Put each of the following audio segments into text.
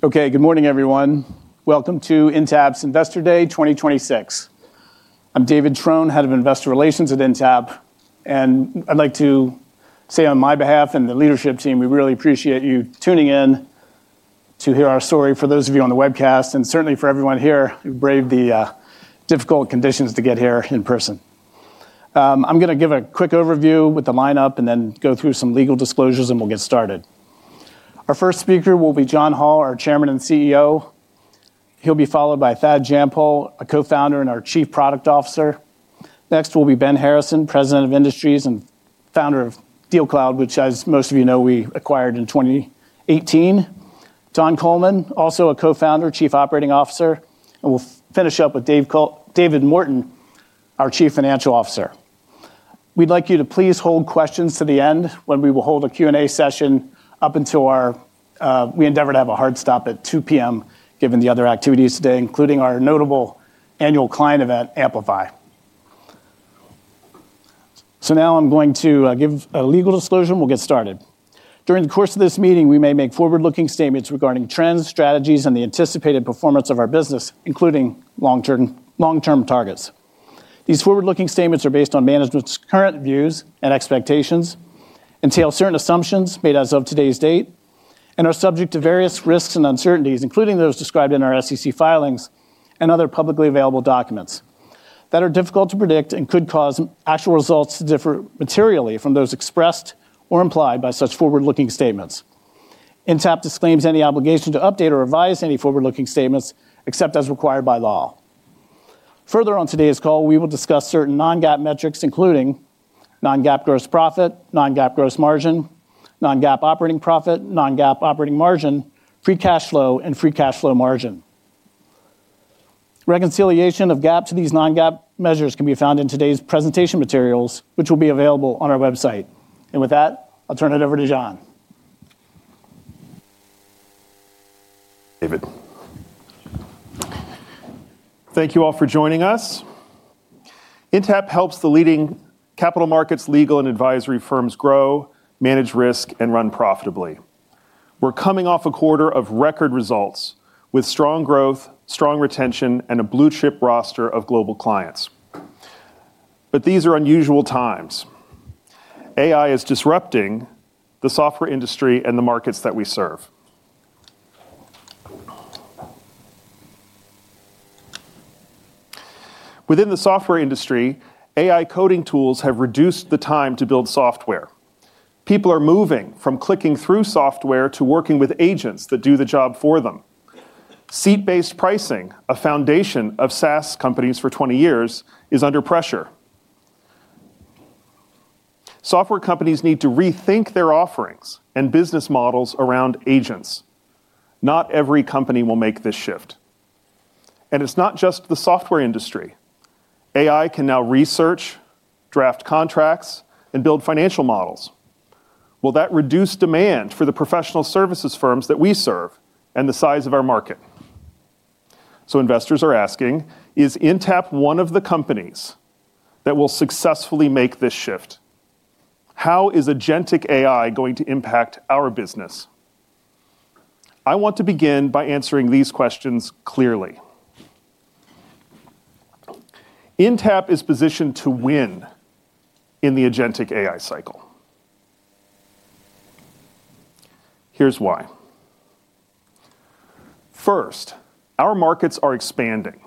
Okay, good morning, everyone. Welcome to Intapp's Investor Day 2026. I'm David Trone, Head of Investor Relations at Intapp. I'd like to say on my behalf and the leadership team, we really appreciate you tuning in to hear our story, for those of you on the webcast, and certainly for everyone here who braved the difficult conditions to get here in person. I'm gonna give a quick overview with the lineup and then go through some legal disclosures, and we'll get started. Our first speaker will be John Hall, our Chairman and CEO. He'll be followed by Thad Jampol, a Co-founder and our Chief Product Officer. Next will be Ben Harrison, President of Industries and founder of DealCloud, which, as most of you know, we acquired in 2018. Don Coleman, also a co-founder, Chief Operating Officer, and we'll finish up with David Morton, our Chief Financial Officer. We'd like you to please hold questions to the end, when we will hold a Q&A session. Up until our. We endeavor to have a hard stop at 2:00 P.M., given the other activities today, including our notable annual client event, Amplify. Now I'm going to give a legal disclosure, and we'll get started. During the course of this meeting, we may make forward-looking statements regarding trends, strategies, and the anticipated performance of our business, including long-term targets. These forward-looking statements are based on management's current views and expectations, entail certain assumptions made as of today's date, and are subject to various risks and uncertainties, including those described in our SEC filings and other publicly available documents that are difficult to predict and could cause actual results to differ materially from those expressed or implied by such forward-looking statements. Intapp disclaims any obligation to update or revise any forward-looking statements, except as required by law. Further, on today's call, we will discuss certain non-GAAP metrics, including non-GAAP gross profit, non-GAAP gross margin, non-GAAP operating profit, non-GAAP operating margin, free cash flow, and free cash flow margin. Reconciliation of GAAP to these non-GAAP measures can be found in today's presentation materials, which will be available on our website. With that, I'll turn it over to John. David. Thank you all for joining us. Intapp helps the leading capital markets, legal, and advisory firms grow, manage risk, and run profitably. We're coming off a quarter of record results, with strong growth, strong retention, and a blue-chip roster of global clients. These are unusual times. AI is disrupting the software industry and the markets that we serve. Within the software industry, AI coding tools have reduced the time to build software. People are moving from clicking through software to working with agents that do the job for them. Seat-based pricing, a foundation of SaaS companies for 20 years, is under pressure. Software companies need to rethink their offerings and business models around agents. Not every company will make this shift, and it's not just the software industry. AI can now research, draft contracts, and build financial models. Will that reduce demand for the professional services firms that we serve and the size of our market? Investors are asking: Is Intapp one of the companies that will successfully make this shift? How is Agentic AI going to impact our business? I want to begin by answering these questions clearly. Intapp is positioned to win in the Agentic AI cycle. Here's why. First, our markets are expanding.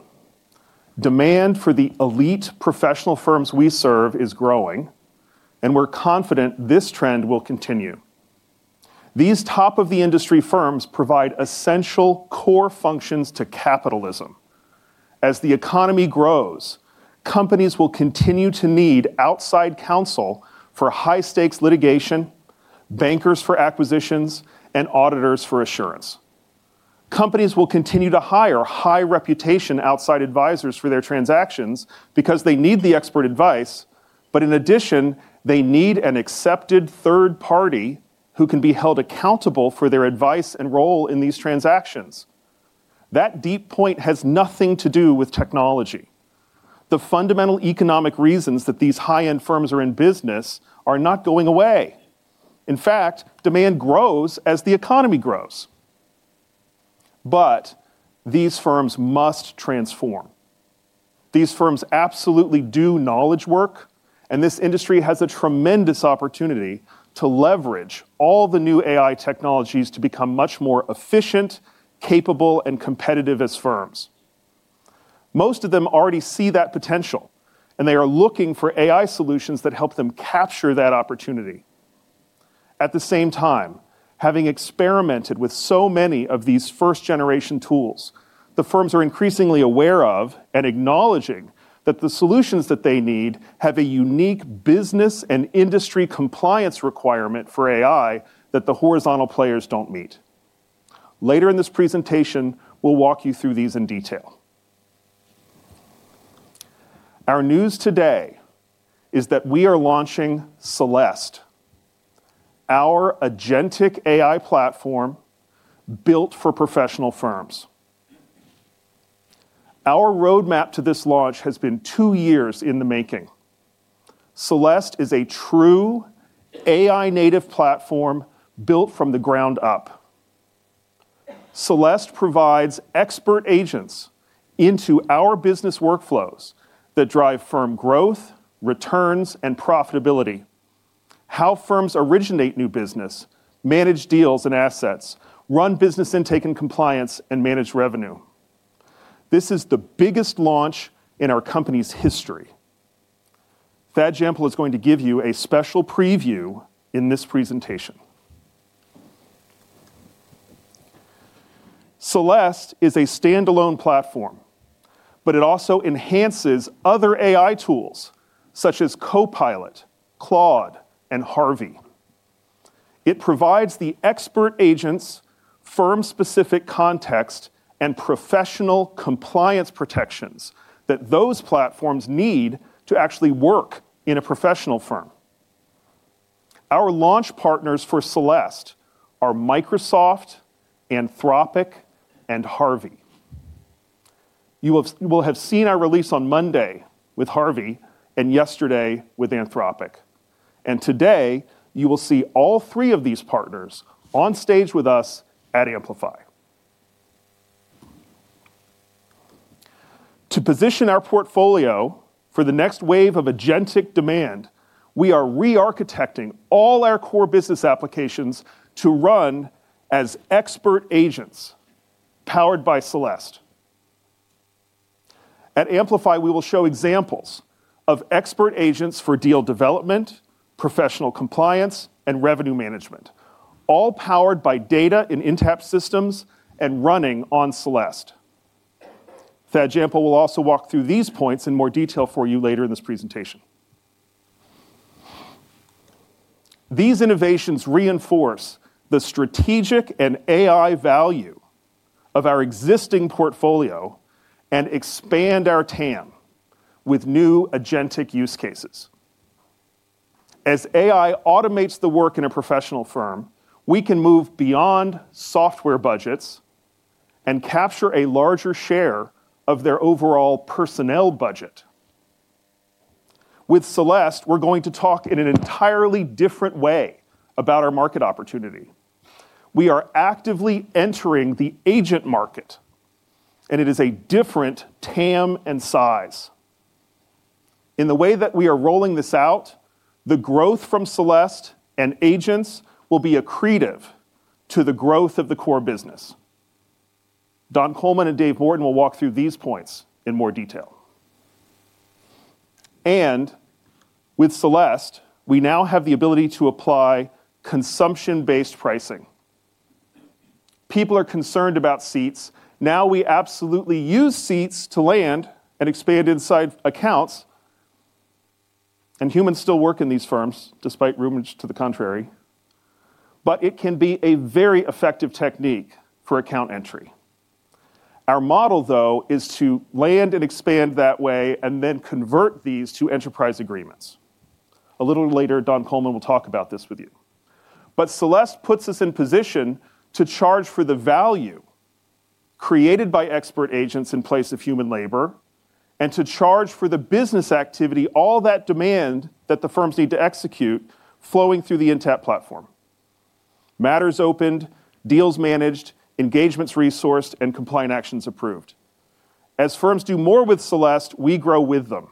Demand for the elite professional firms we serve is growing, and we're confident this trend will continue. These top-of-the-industry firms provide essential core functions to capitalism. As the economy grows, companies will continue to need outside counsel for high-stakes litigation, bankers for acquisitions, and auditors for assurance. Companies will continue to hire high-reputation outside advisors for their transactions because they need the expert advice, in addition, they need an accepted third party who can be held accountable for their advice and role in these transactions. That deep point has nothing to do with technology. The fundamental economic reasons that these high-end firms are in business are not going away. In fact, demand grows as the economy grows. These firms must transform. These firms absolutely do knowledge work, this industry has a tremendous opportunity to leverage all the new AI technologies to become much more efficient, capable, and competitive as firms. Most of them already see that potential, they are looking for AI solutions that help them capture that opportunity. At the same time, having experimented with so many of these first-generation tools, the firms are increasingly aware of and acknowledging that the solutions that they need have a unique business and industry compliance requirement for AI that the horizontal players don't meet. Later in this presentation, we'll walk you through these in detail. Our news today is that we are launching Celeste, our Agentic AI platform built for professional firms. Our roadmap to this launch has been two years in the making. Celeste is a true AI-native platform built from the ground up. Celeste provides expert agents into our business workflows that drive firm growth, returns, and profitability, how firms originate new business, manage deals and assets, run business intake and compliance, and manage revenue. This is the biggest launch in our company's history. Thad Jampol is going to give you a special preview in this presentation. Celeste is a standalone platform. It also enhances other AI tools such as Copilot, Claude, and Harvey. It provides the expert agents, firm-specific context, and professional compliance protections that those platforms need to actually work in a professional firm. Our launch partners for Celeste are Microsoft, Anthropic, and Harvey. You will have seen our release on Monday with Harvey and yesterday with Anthropic. Today, you will see all three of these partners on stage with us at Amplify. To position our portfolio for the next wave of Agentic demand, we are re-architecting all our core business applications to run as expert agents, powered by Celeste. At Amplify, we will show examples of expert agents for deal development, professional compliance, and revenue management, all powered by data in Intapp systems and running on Celeste. Thad Jampol will also walk through these points in more detail for you later in this presentation. These innovations reinforce the strategic and AI value of our existing portfolio and expand our TAM with new Agentic use cases. As AI automates the work in a professional firm, we can move beyond software budgets and capture a larger share of their overall personnel budget. With Celeste, we're going to talk in an entirely different way about our market opportunity. We are actively entering the agent market, and it is a different TAM and size. In the way that we are rolling this out, the growth from Celeste and agents will be accretive to the growth of the core business. Don Coleman and Dave Morton will walk through these points in more detail. With Celeste, we now have the ability to apply consumption-based pricing. People are concerned about seats. We absolutely use seats to land and expand inside accounts, and humans still work in these firms, despite rumors to the contrary, but it can be a very effective technique for account entry. Our model, though, is to land and expand that way and then convert these to enterprise agreements. A little later, Don Coleman will talk about this with you. Celeste puts us in position to charge for the value created by expert agents in place of human labor and to charge for the business activity, all that demand that the firms need to execute, flowing through the Intapp platform. Matters opened, deals managed, engagements resourced, and compliant actions approved. As firms do more with Celeste, we grow with them.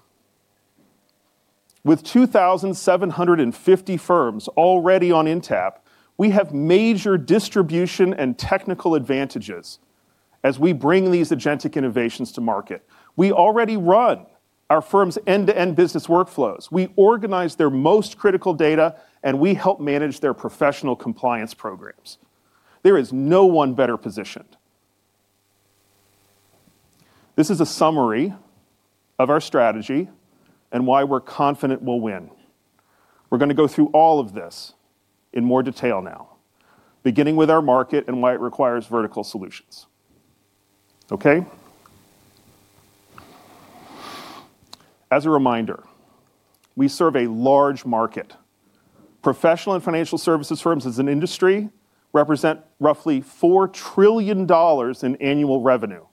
With 2,750 firms already on Intapp, we have major distribution and technical advantages as we bring these Agentic innovations to market. We already run our firm's end-to-end business workflows. We organize their most critical data, we help manage their professional compliance programs. There is no one better positioned. This is a summary of our strategy and why we're confident we'll win. We're gonna go through all of this in more detail now, beginning with our market and why it requires vertical solutions. Okay? As a reminder, we serve a large market. Professional and financial services firms, as an industry, represent roughly $4 trillion in annual revenue,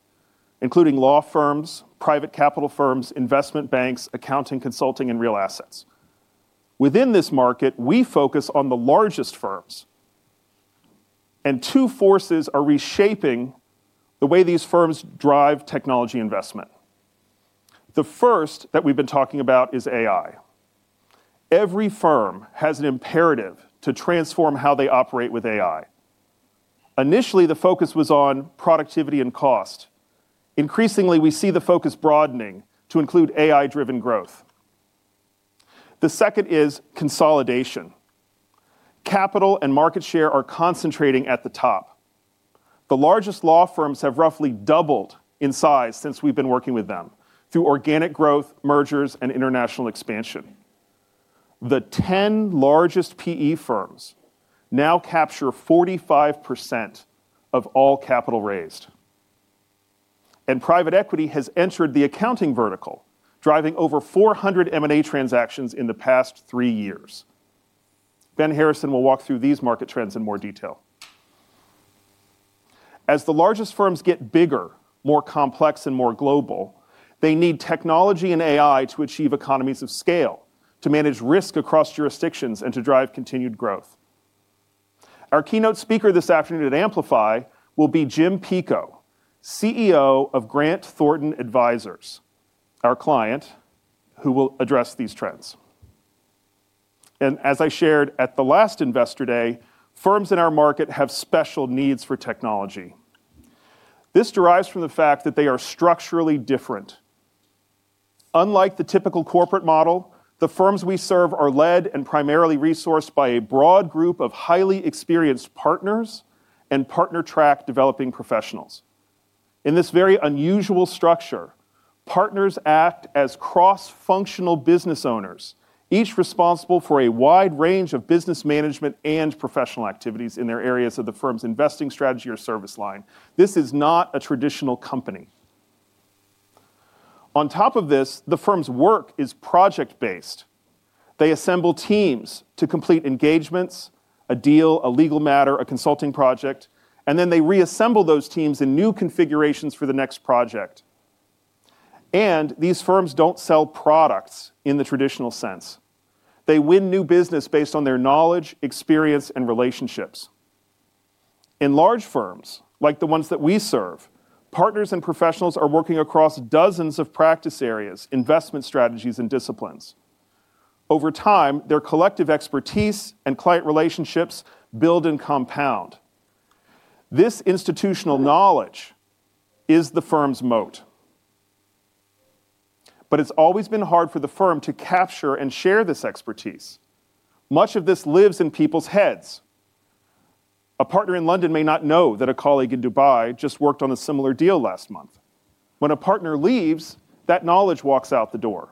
including law firms, private capital firms, investment banks, accounting, consulting, and real assets. Within this market, we focus on the largest firms, two forces are reshaping the way these firms drive technology investment. The first that we've been talking about is AI. Every firm has an imperative to transform how they operate with AI. Initially, the focus was on productivity and cost. Increasingly, we see the focus broadening to include AI-driven growth. The second is consolidation. Capital and market share are concentrating at the top. The largest law firms have roughly doubled in size since we've been working with them, through organic growth, mergers, and international expansion. The 10 largest PE firms now capture 45% of all capital raised. Private equity has entered the accounting vertical, driving over 400 M&A transactions in the past three years. Ben Harrison will walk through these market trends in more detail. As the largest firms get bigger, more complex, and more global, they need technology and AI to achieve economies of scale, to manage risk across jurisdictions, and to drive continued growth. Our keynote speaker this afternoon at Amplify will be Jim Peko, CEO of Grant Thornton Advisors, our client, who will address these trends. As I shared at the last Investor Day, firms in our market have special needs for technology. This derives from the fact that they are structurally different. Unlike the typical corporate model, the firms we serve are led and primarily resourced by a broad group of highly experienced partners and partner-track developing professionals. In this very unusual structure, partners act as cross-functional business owners, each responsible for a wide range of business management and professional activities in their areas of the firm's investing strategy or service line. This is not a traditional company. On top of this, the firm's work is project-based. They assemble teams to complete engagements, a deal, a legal matter, a consulting project, and then they reassemble those teams in new configurations for the next project. These firms don't sell products in the traditional sense. They win new business based on their knowledge, experience, and relationships. In large firms, like the ones that we serve, partners and professionals are working across dozens of practice areas, investment strategies, and disciplines. Over time, their collective expertise and client relationships build and compound. This institutional knowledge is the firm's moat. It's always been hard for the firm to capture and share this expertise. Much of this lives in people's heads. A partner in London may not know that a colleague in Dubai just worked on a similar deal last month. When a partner leaves, that knowledge walks out the door.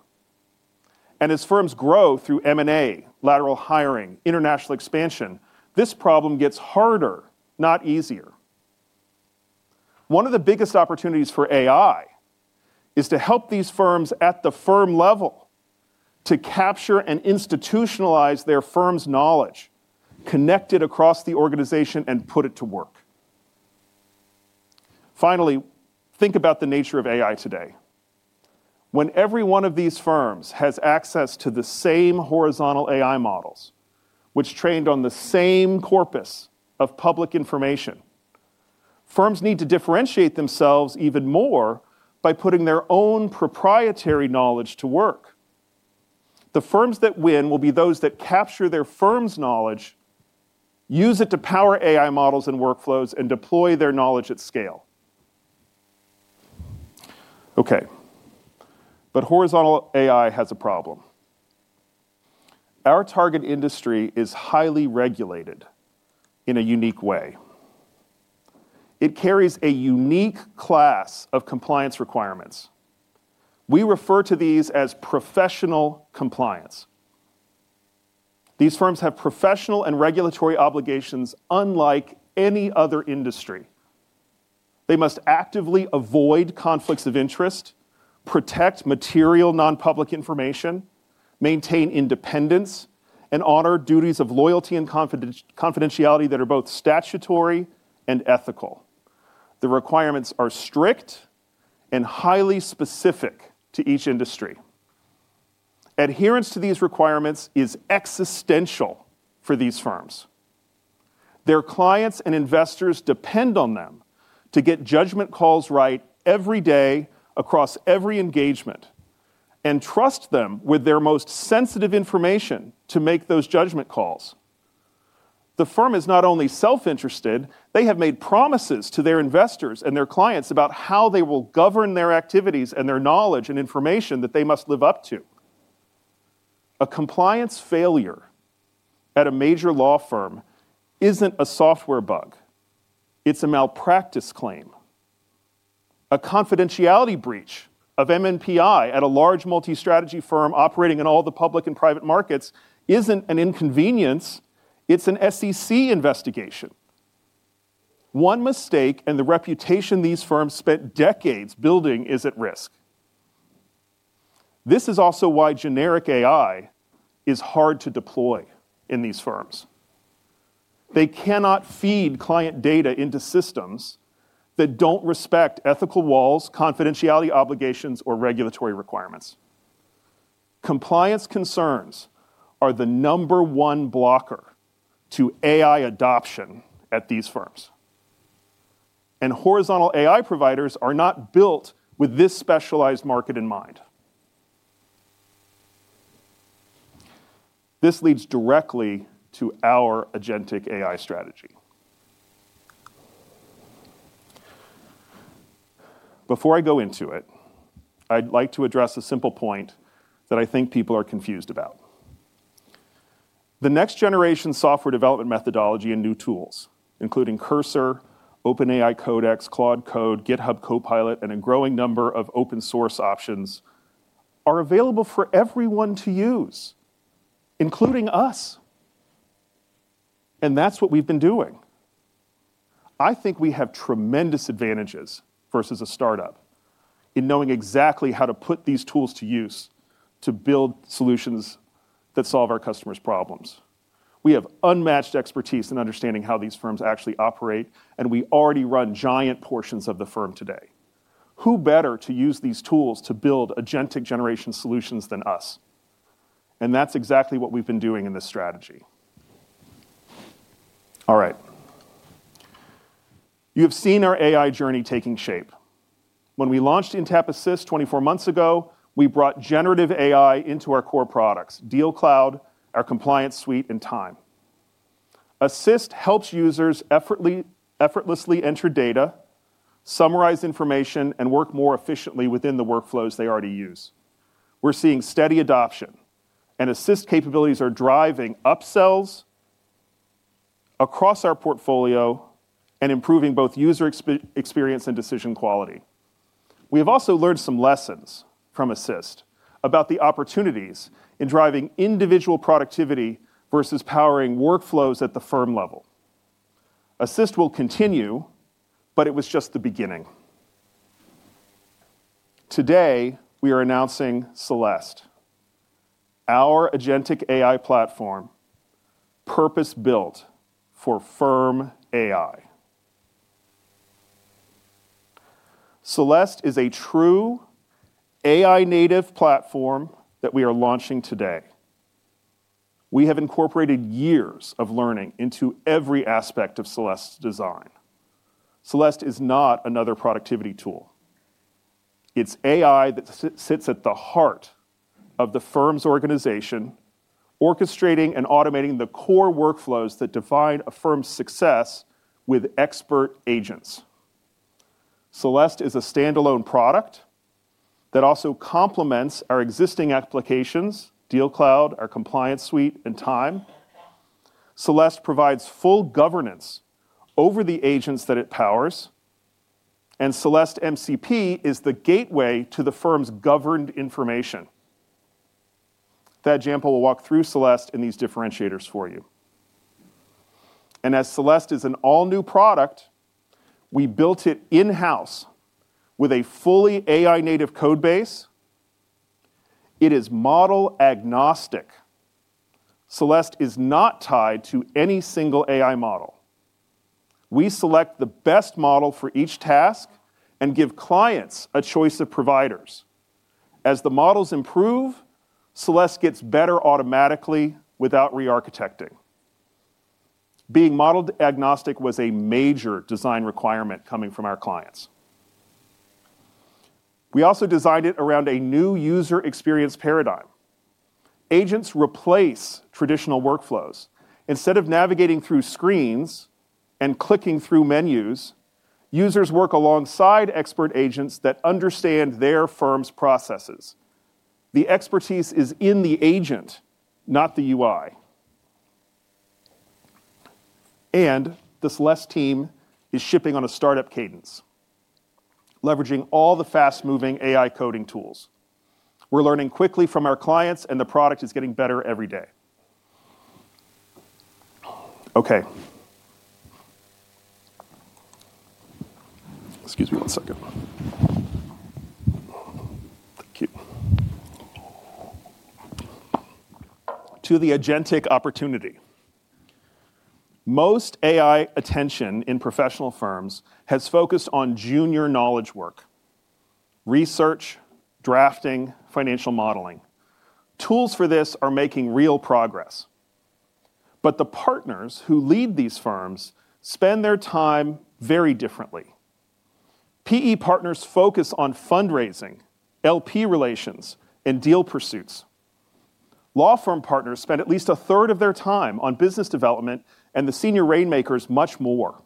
As firms grow through M&A, lateral hiring, international expansion, this problem gets harder, not easier. One of the biggest opportunities for AI is to help these firms at the firm level to capture and institutionalize their firm's knowledge, connect it across the organization, and put it to work. Finally, think about the nature of AI today. When every one of these firms has access to the same horizontal AI models, which trained on the same corpus of public information, firms need to differentiate themselves even more by putting their own proprietary knowledge to work. The firms that win will be those that capture their firm's knowledge, use it to power AI models and workflows, and deploy their knowledge at scale. Horizontal AI has a problem. Our target industry is highly regulated in a unique way. It carries a unique class of compliance requirements. We refer to these as professional compliance. These firms have professional and regulatory obligations unlike any other industry. They must actively avoid conflicts of interest, protect material non-public information, maintain independence, and honor duties of loyalty and confidentiality that are both statutory and ethical. The requirements are strict and highly specific to each industry. Adherence to these requirements is existential for these firms. Their clients and investors depend on them to get judgment calls right every day across every engagement, and trust them with their most sensitive information to make those judgment calls. The firm is not only self-interested, they have made promises to their investors and their clients about how they will govern their activities and their knowledge and information that they must live up to. A compliance failure at a major law firm isn't a software bug, it's a malpractice claim. A confidentiality breach of MNPI at a large multi-strategy firm operating in all the public and private markets isn't an inconvenience, it's an SEC investigation. One mistake, and the reputation these firms spent decades building is at risk. This is also why generic AI is hard to deploy in these firms. They cannot feed client data into systems that don't respect ethical walls, confidentiality obligations, or regulatory requirements. Compliance concerns are the number one blocker to AI adoption at these firms, and horizontal AI providers are not built with this specialized market in mind. This leads directly to our Agentic AI strategy. Before I go into it, I'd like to address a simple point that I think people are confused about. The next-generation software development methodology and new tools, including Cursor, OpenAI Codex, Claude Code, GitHub Copilot, and a growing number of open-source options, are available for everyone to use, including us, and that's what we've been doing. I think we have tremendous advantages versus a startup in knowing exactly how to put these tools to use to build solutions that solve our customers' problems. We have unmatched expertise in understanding how these firms actually operate, and we already run giant portions of the firm today. Who better to use these tools to build Agentic generation solutions than us? That's exactly what we've been doing in this strategy. All right. You have seen our AI journey taking shape. When we launched Intapp Assist 24 months ago, we brought generative AI into our core products: DealCloud, our compliance suite, and Time. Assist helps users effortlessly enter data, summarize information, and work more efficiently within the workflows they already use. We're seeing steady adoption, and Assist capabilities are driving upsells across our portfolio and improving both user experience and decision quality. We have also learned some lessons from Assist about the opportunities in driving individual productivity versus powering workflows at the firm level. Assist will continue, but it was just the beginning. Today, we are announcing Celeste, our Agentic AI platform, purpose-built for firm AI. Celeste is a true AI-native platform that we are launching today. We have incorporated years of learning into every aspect of Celeste's design. Celeste is not another productivity tool. It's AI that sits at the heart of the firm's organization, orchestrating and automating the core workflows that define a firm's success with expert agents. Celeste is a standalone product that also complements our existing applications, DealCloud, our compliance suite, and Time. Celeste provides full governance over the agents that it powers. Celeste MCP is the gateway to the firm's governed information. Thad Jampol will walk through Celeste and these differentiators for you. As Celeste is an all-new product, we built it in-house with a fully AI-native code base. It is model-agnostic. Celeste is not tied to any single AI model. We select the best model for each task and give clients a choice of providers. As the models improve, Celeste gets better automatically without re-architecting. Being model-agnostic was a major design requirement coming from our clients. We also designed it around a new user experience paradigm. Agents replace traditional workflows. Instead of navigating through screens and clicking through menus, users work alongside expert agents that understand their firm's processes. The expertise is in the agent, not the UI. The Celeste team is shipping on a startup cadence, leveraging all the fast-moving AI coding tools. We're learning quickly from our clients, and the product is getting better every day. Okay. Excuse me 1 second. Thank you. To the Agentic Opportunity, most AI attention in professional firms has focused on junior knowledge work: research, drafting, financial modeling. Tools for this are making real progress, but the partners who lead these firms spend their time very differently. PE partners focus on fundraising, LP relations, and deal pursuits. Law firm partners spend at least a third of their time on business development, and the senior rainmakers, much more.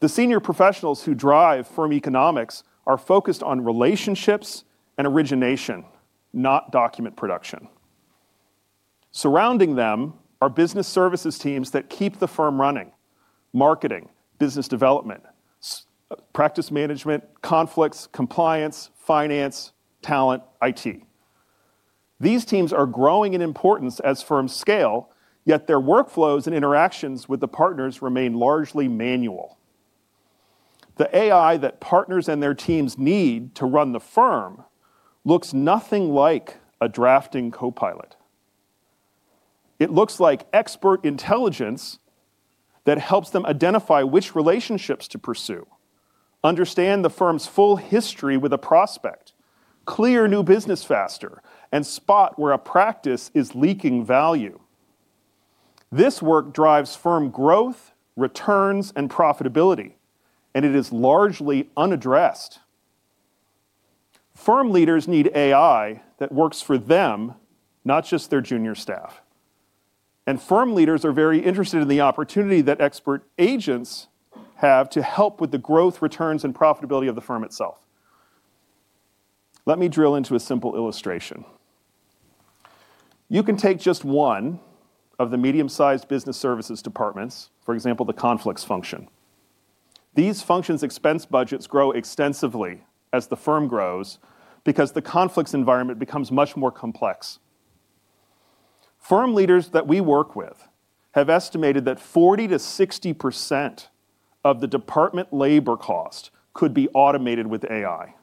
The senior professionals who drive firm economics are focused on relationships and origination, not document production. Surrounding them are business services teams that keep the firm running: marketing, business development, practice management, conflicts, compliance, finance, talent, IT. These teams are growing in importance as firms scale, yet their workflows and interactions with the partners remain largely manual. The AI that partners and their teams need to run the firm looks nothing like a drafting copilot. It looks like expert intelligence that helps them identify which relationships to pursue, understand the firm's full history with a prospect, clear new business faster, and spot where a practice is leaking value. This work drives firm growth, returns, and profitability, and it is largely unaddressed. Firm leaders need AI that works for them, not just their junior staff, and firm leaders are very interested in the opportunity that expert agents have to help with the growth, returns, and profitability of the firm itself. Let me drill into a simple illustration. You can take just one of the medium-sized business services departments, for example, the conflicts function. These functions' expense budgets grow extensively as the firm grows because the conflicts environment becomes much more complex. Firm leaders that we work with have estimated that 40%-60% of the department labor cost could be automated with AI.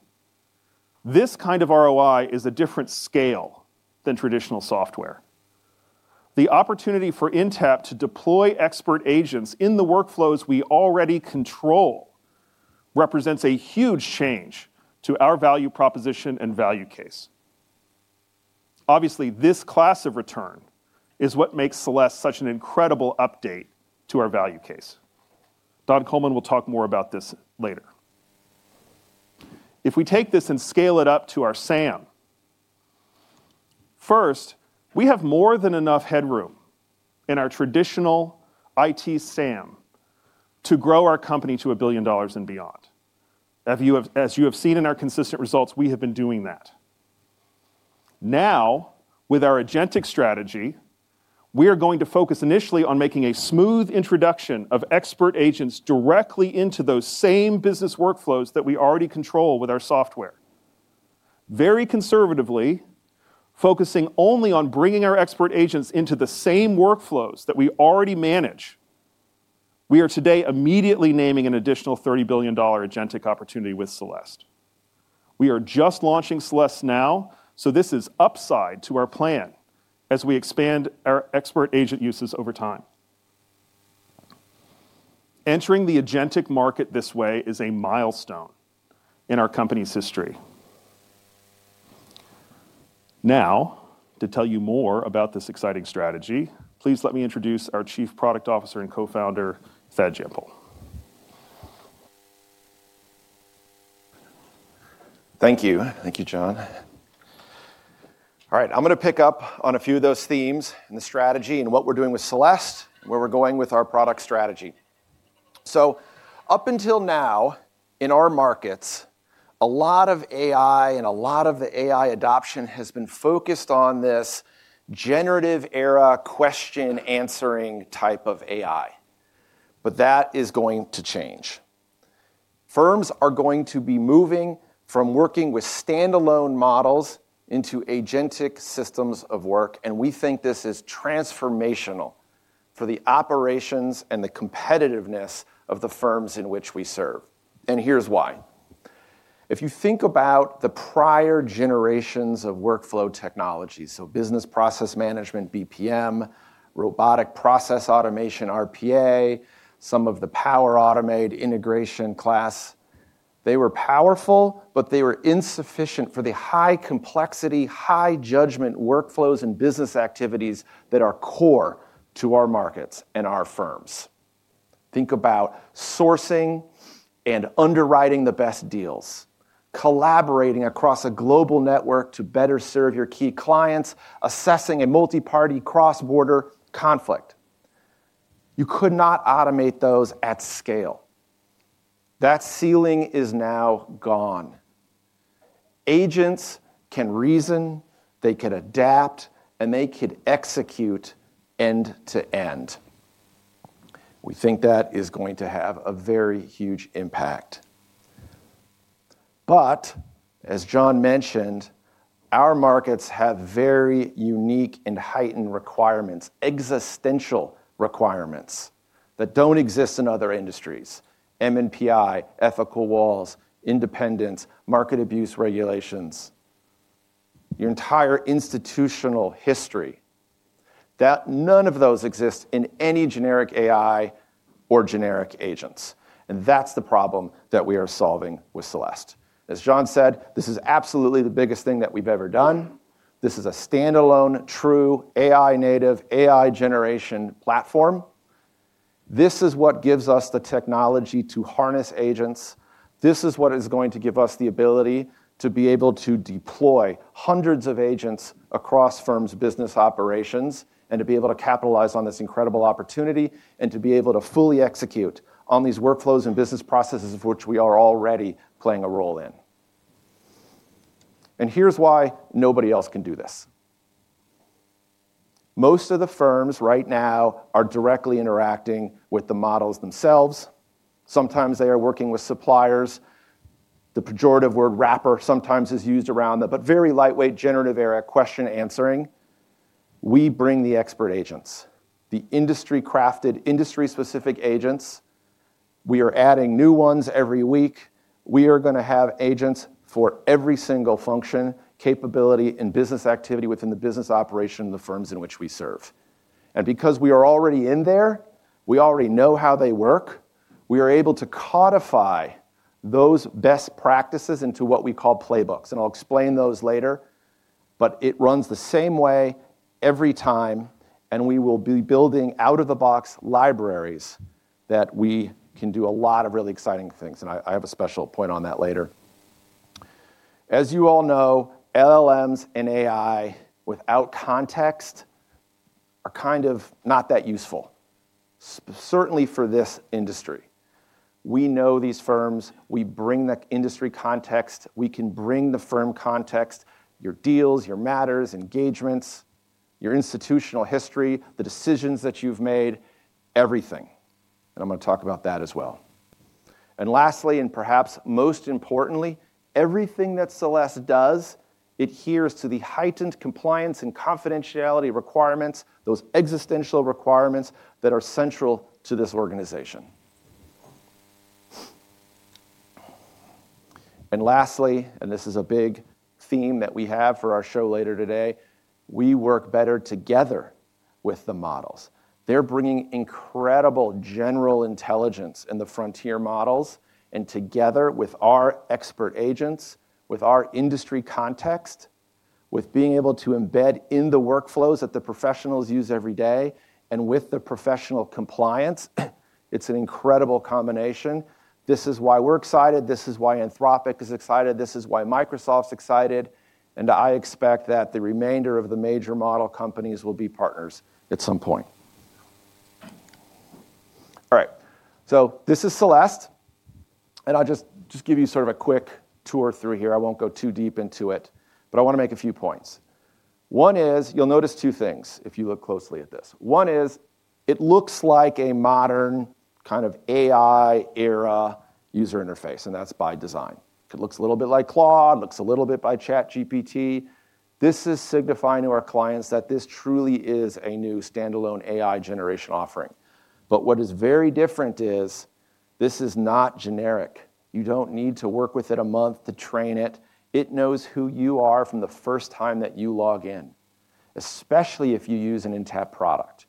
This kind of ROI is a different scale than traditional software. The opportunity for Intapp to deploy expert agents in the workflows we already control represents a huge change to our value proposition and value case. Obviously, this class of return is what makes Celeste such an incredible update to our value case. Don Coleman will talk more about this later. If we take this and scale it up to our SAM, first, we have more than enough headroom in our traditional IT SAM to grow our company to $1 billion and beyond. As you have seen in our consistent results, we have been doing that. With our Agentic strategy, we are going to focus initially on making a smooth introduction of expert agents directly into those same business workflows that we already control with our software. Very conservatively, focusing only on bringing our expert agents into the same workflows that we already manage, we are today immediately naming an additional $30 billion Agentic Opportunity with Celeste. We are just launching Celeste now, this is upside to our plan as we expand our expert agent uses over time. Entering the Agentic market this way is a milestone in our company's history. To tell you more about this exciting strategy, please let me introduce our Chief Product Officer and Co-founder, Thad Jampol. Thank you. Thank you, John. All right, I'm gonna pick up on a few of those themes and the strategy and what we're doing with Celeste, where we're going with our product strategy. Up until now, in our markets, a lot of AI and a lot of the AI adoption has been focused on this generative-era question-answering type of AI. That is going to change. Firms are going to be moving from working with standalone models into Agentic systems of work. We think this is transformational for the operations and the competitiveness of the firms in which we serve. Here's why. If you think about the prior generations of workflow technologies, so business process management, BPM, robotic process automation, RPA, some of the Power Automate integration class, they were powerful, but they were insufficient for the high complexity, high judgment workflows and business activities that are core to our markets and our firms. Think about sourcing and underwriting the best deals, collaborating across a global network to better serve your key clients, assessing a multiparty cross-border conflict. You could not automate those at scale. That ceiling is now gone. Agents can reason, they can adapt, and they could execute end to end. We think that is going to have a very huge impact. As John mentioned, our markets have very unique and heightened requirements, existential requirements that don't exist in other industries: MNPI, ethical walls, independence, market abuse regulations, your entire institutional history. None of those exist in any generic AI or generic agents, that's the problem that we are solving with Celeste. As John said, this is absolutely the biggest thing that we've ever done. This is a standalone, true AI, native AI generation platform. This is what gives us the technology to harness agents. This is what is going to give us the ability to be able to deploy hundreds of agents across firms' business operations, to be able to capitalize on this incredible opportunity, to be able to fully execute on these workflows and business processes of which we are already playing a role in. Here's why nobody else can do this. Most of the firms right now are directly interacting with the models themselves. Sometimes they are working with suppliers. The pejorative word wrapper sometimes is used around them, but very lightweight, generative-era question answering. We bring the expert agents, the industry-crafted, industry-specific agents. We are adding new ones every week. We are gonna have agents for every single function, capability, and business activity within the business operation of the firms in which we serve. Because we are already in there, we already know how they work, we are able to codify those best practices into what we call playbooks, and I'll explain those later. It runs the same way every time, and we will be building out-of-the-box libraries that we can do a lot of really exciting things, and I have a special point on that later. As you all know, LLMs and AI without context are kind of not that useful, certainly for this industry. We know these firms. We bring the industry context. We can bring the firm context, your deals, your matters, engagements, your institutional history, the decisions that you've made, everything, and I'm gonna talk about that as well. Lastly, and perhaps most importantly, everything that Celeste does adheres to the heightened compliance and confidentiality requirements, those existential requirements that are central to this organization. Lastly, and this is a big theme that we have for our show later today, we work better together with the models. They're bringing incredible general intelligence in the frontier models, and together with our expert agents, with our industry context, with being able to embed in the workflows that the professionals use every day, and with the professional compliance, it's an incredible combination. This is why we're excited. This is why Anthropic is excited. This is why Microsoft's excited. I expect that the remainder of the major model companies will be partners at some point. All right, this is Celeste. I'll just give you sort of a quick tour through here. I won't go too deep into it. I want to make a few points. You'll notice two things if you look closely at this. One is it looks like a modern kind of AI-era user interface. That's by design. It looks a little bit like Claude, it looks a little bit by ChatGPT. This is signifying to our clients that this truly is a new standalone AI generation offering. What is very different is, this is not generic. You don't need to work with it a month to train it. It knows who you are from the first time that you log in, especially if you use an Intapp product.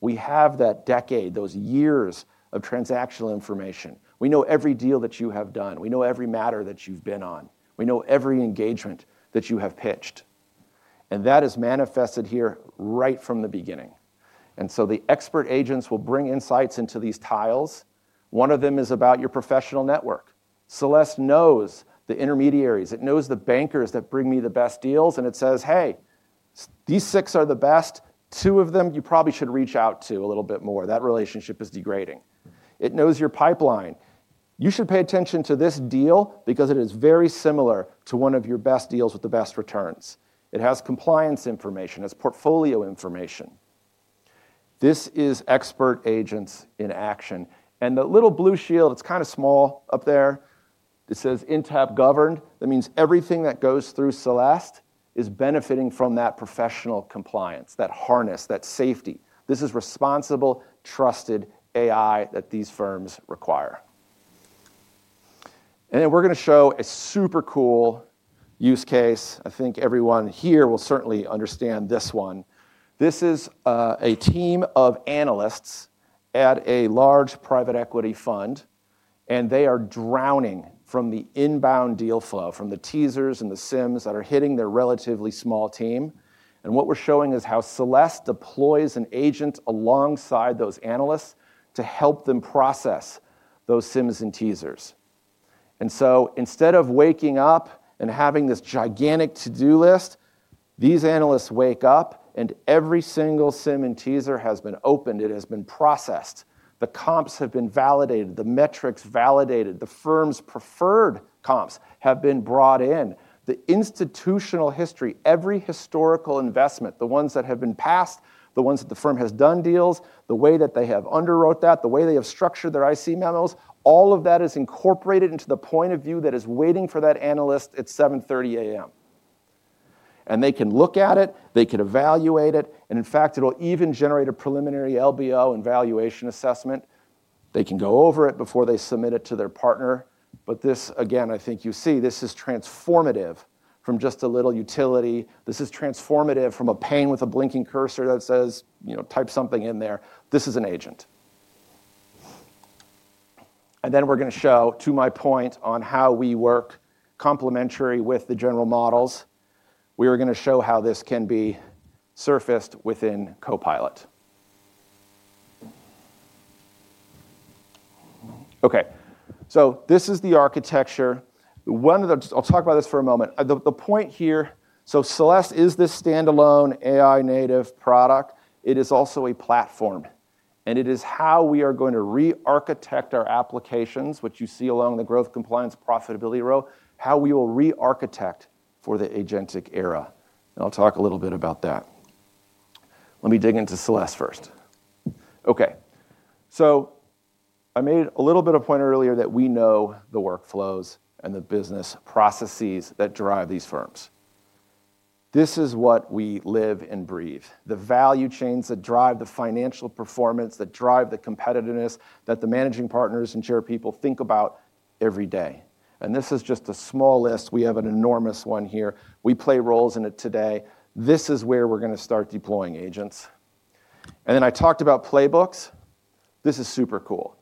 We have that decade, those years of transactional information. We know every deal that you have done. We know every matter that you've been on. We know every engagement that you have pitched. That is manifested here right from the beginning. The expert agents will bring insights into these tiles. One of them is about your professional network. Celeste knows the intermediaries, it knows the bankers that bring me the best deals. It says, "Hey, these 6 are the best. 2 of them, you probably should reach out to a little bit more. That relationship is degrading." It knows your pipeline. You should pay attention to this deal because it is very similar to one of your best deals with the best returns. It has compliance information, it's portfolio information. This is expert agents in action, the little blue shield, it's kind of small up there, it says, "Intapp governed." That means everything that goes through Celeste is benefiting from that professional compliance, that harness, that safety. This is responsible, trusted AI that these firms require. We're going to show a super cool use case. I think everyone here will certainly understand this one. This is a team of analysts at a large private equity fund, they are drowning from the inbound deal flow, from the teasers and the CIMs that are hitting their relatively small team. What we're showing is how Celeste deploys an agent alongside those analysts to help them process those CIMs and teasers. Instead of waking up and having this gigantic to-do list, these analysts wake up, and every single CIM and teaser has been opened, it has been processed. The comps have been validated, the metrics validated, the firm's preferred comps have been brought in. The institutional history, every historical investment, the ones that have been passed, the ones that the firm has done deals, the way that they have underwrote that, the way they have structured their IC memos, all of that is incorporated into the point of view that is waiting for that analyst at 7:30 A.M. They can look at it, they can evaluate it, and in fact, it'll even generate a preliminary LBO and valuation assessment. They can go over it before they submit it to their partner. This, again, I think you see this is transformative from just a little utility. This is transformative from a pane with a blinking cursor that says, you know, "Type something in there." This is an agent. Then we're going to show, to my point on how we work complementary with the general models, we are going to show how this can be surfaced within Copilot. Okay, this is the architecture. I'll talk about this for a moment. The point here. Celeste is this standalone AI native product. It is also a platform, and it is how we are going to rearchitect our applications, which you see along the growth, compliance, profitability row, how we will rearchitect for the Agentic Era. I'll talk a little bit about that. Let me dig into Celeste first. Okay, I made a little bit of point earlier that we know the workflows and the business processes that drive these firms. This is what we live and breathe, the value chains that drive the financial performance, that drive the competitiveness, that the managing partners and chair people think about every day. This is just a small list. We have an enormous one here. We play roles in it today. This is where we're going to start deploying agents. I talked about playbooks. This is super cool.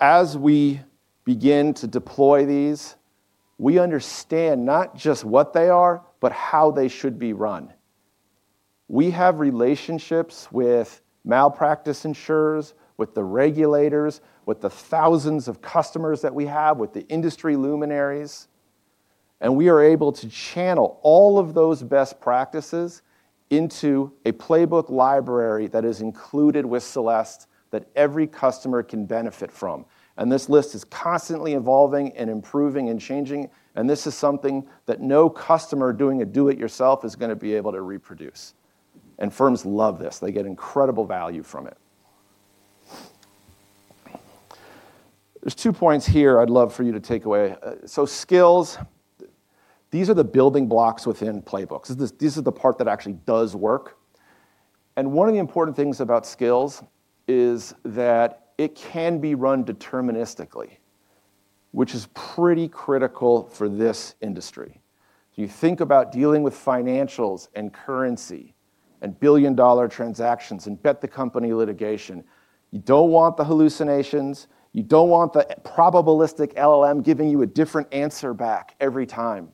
As we begin to deploy these, we understand not just what they are, but how they should be run. We have relationships with malpractice insurers, with the regulators, with the thousands of customers that we have, with the industry luminaries, and we are able to channel all of those best practices into a playbook library that is included with Celeste that every customer can benefit from. This list is constantly evolving and improving and changing, and this is something that no customer doing a do-it-yourself is going to be able to reproduce. Firms love this. They get incredible value from it. There's two points here I'd love for you to take away. So skills, these are the building blocks within playbooks. This is the part that actually does work. One of the important things about skills is that it can be run deterministically, which is pretty critical for this industry. You think about dealing with financials, and currency, and billion-dollar transactions, and bet-the-company litigation. You don't want the hallucinations, you don't want the probabilistic LLM giving you a different answer back every time.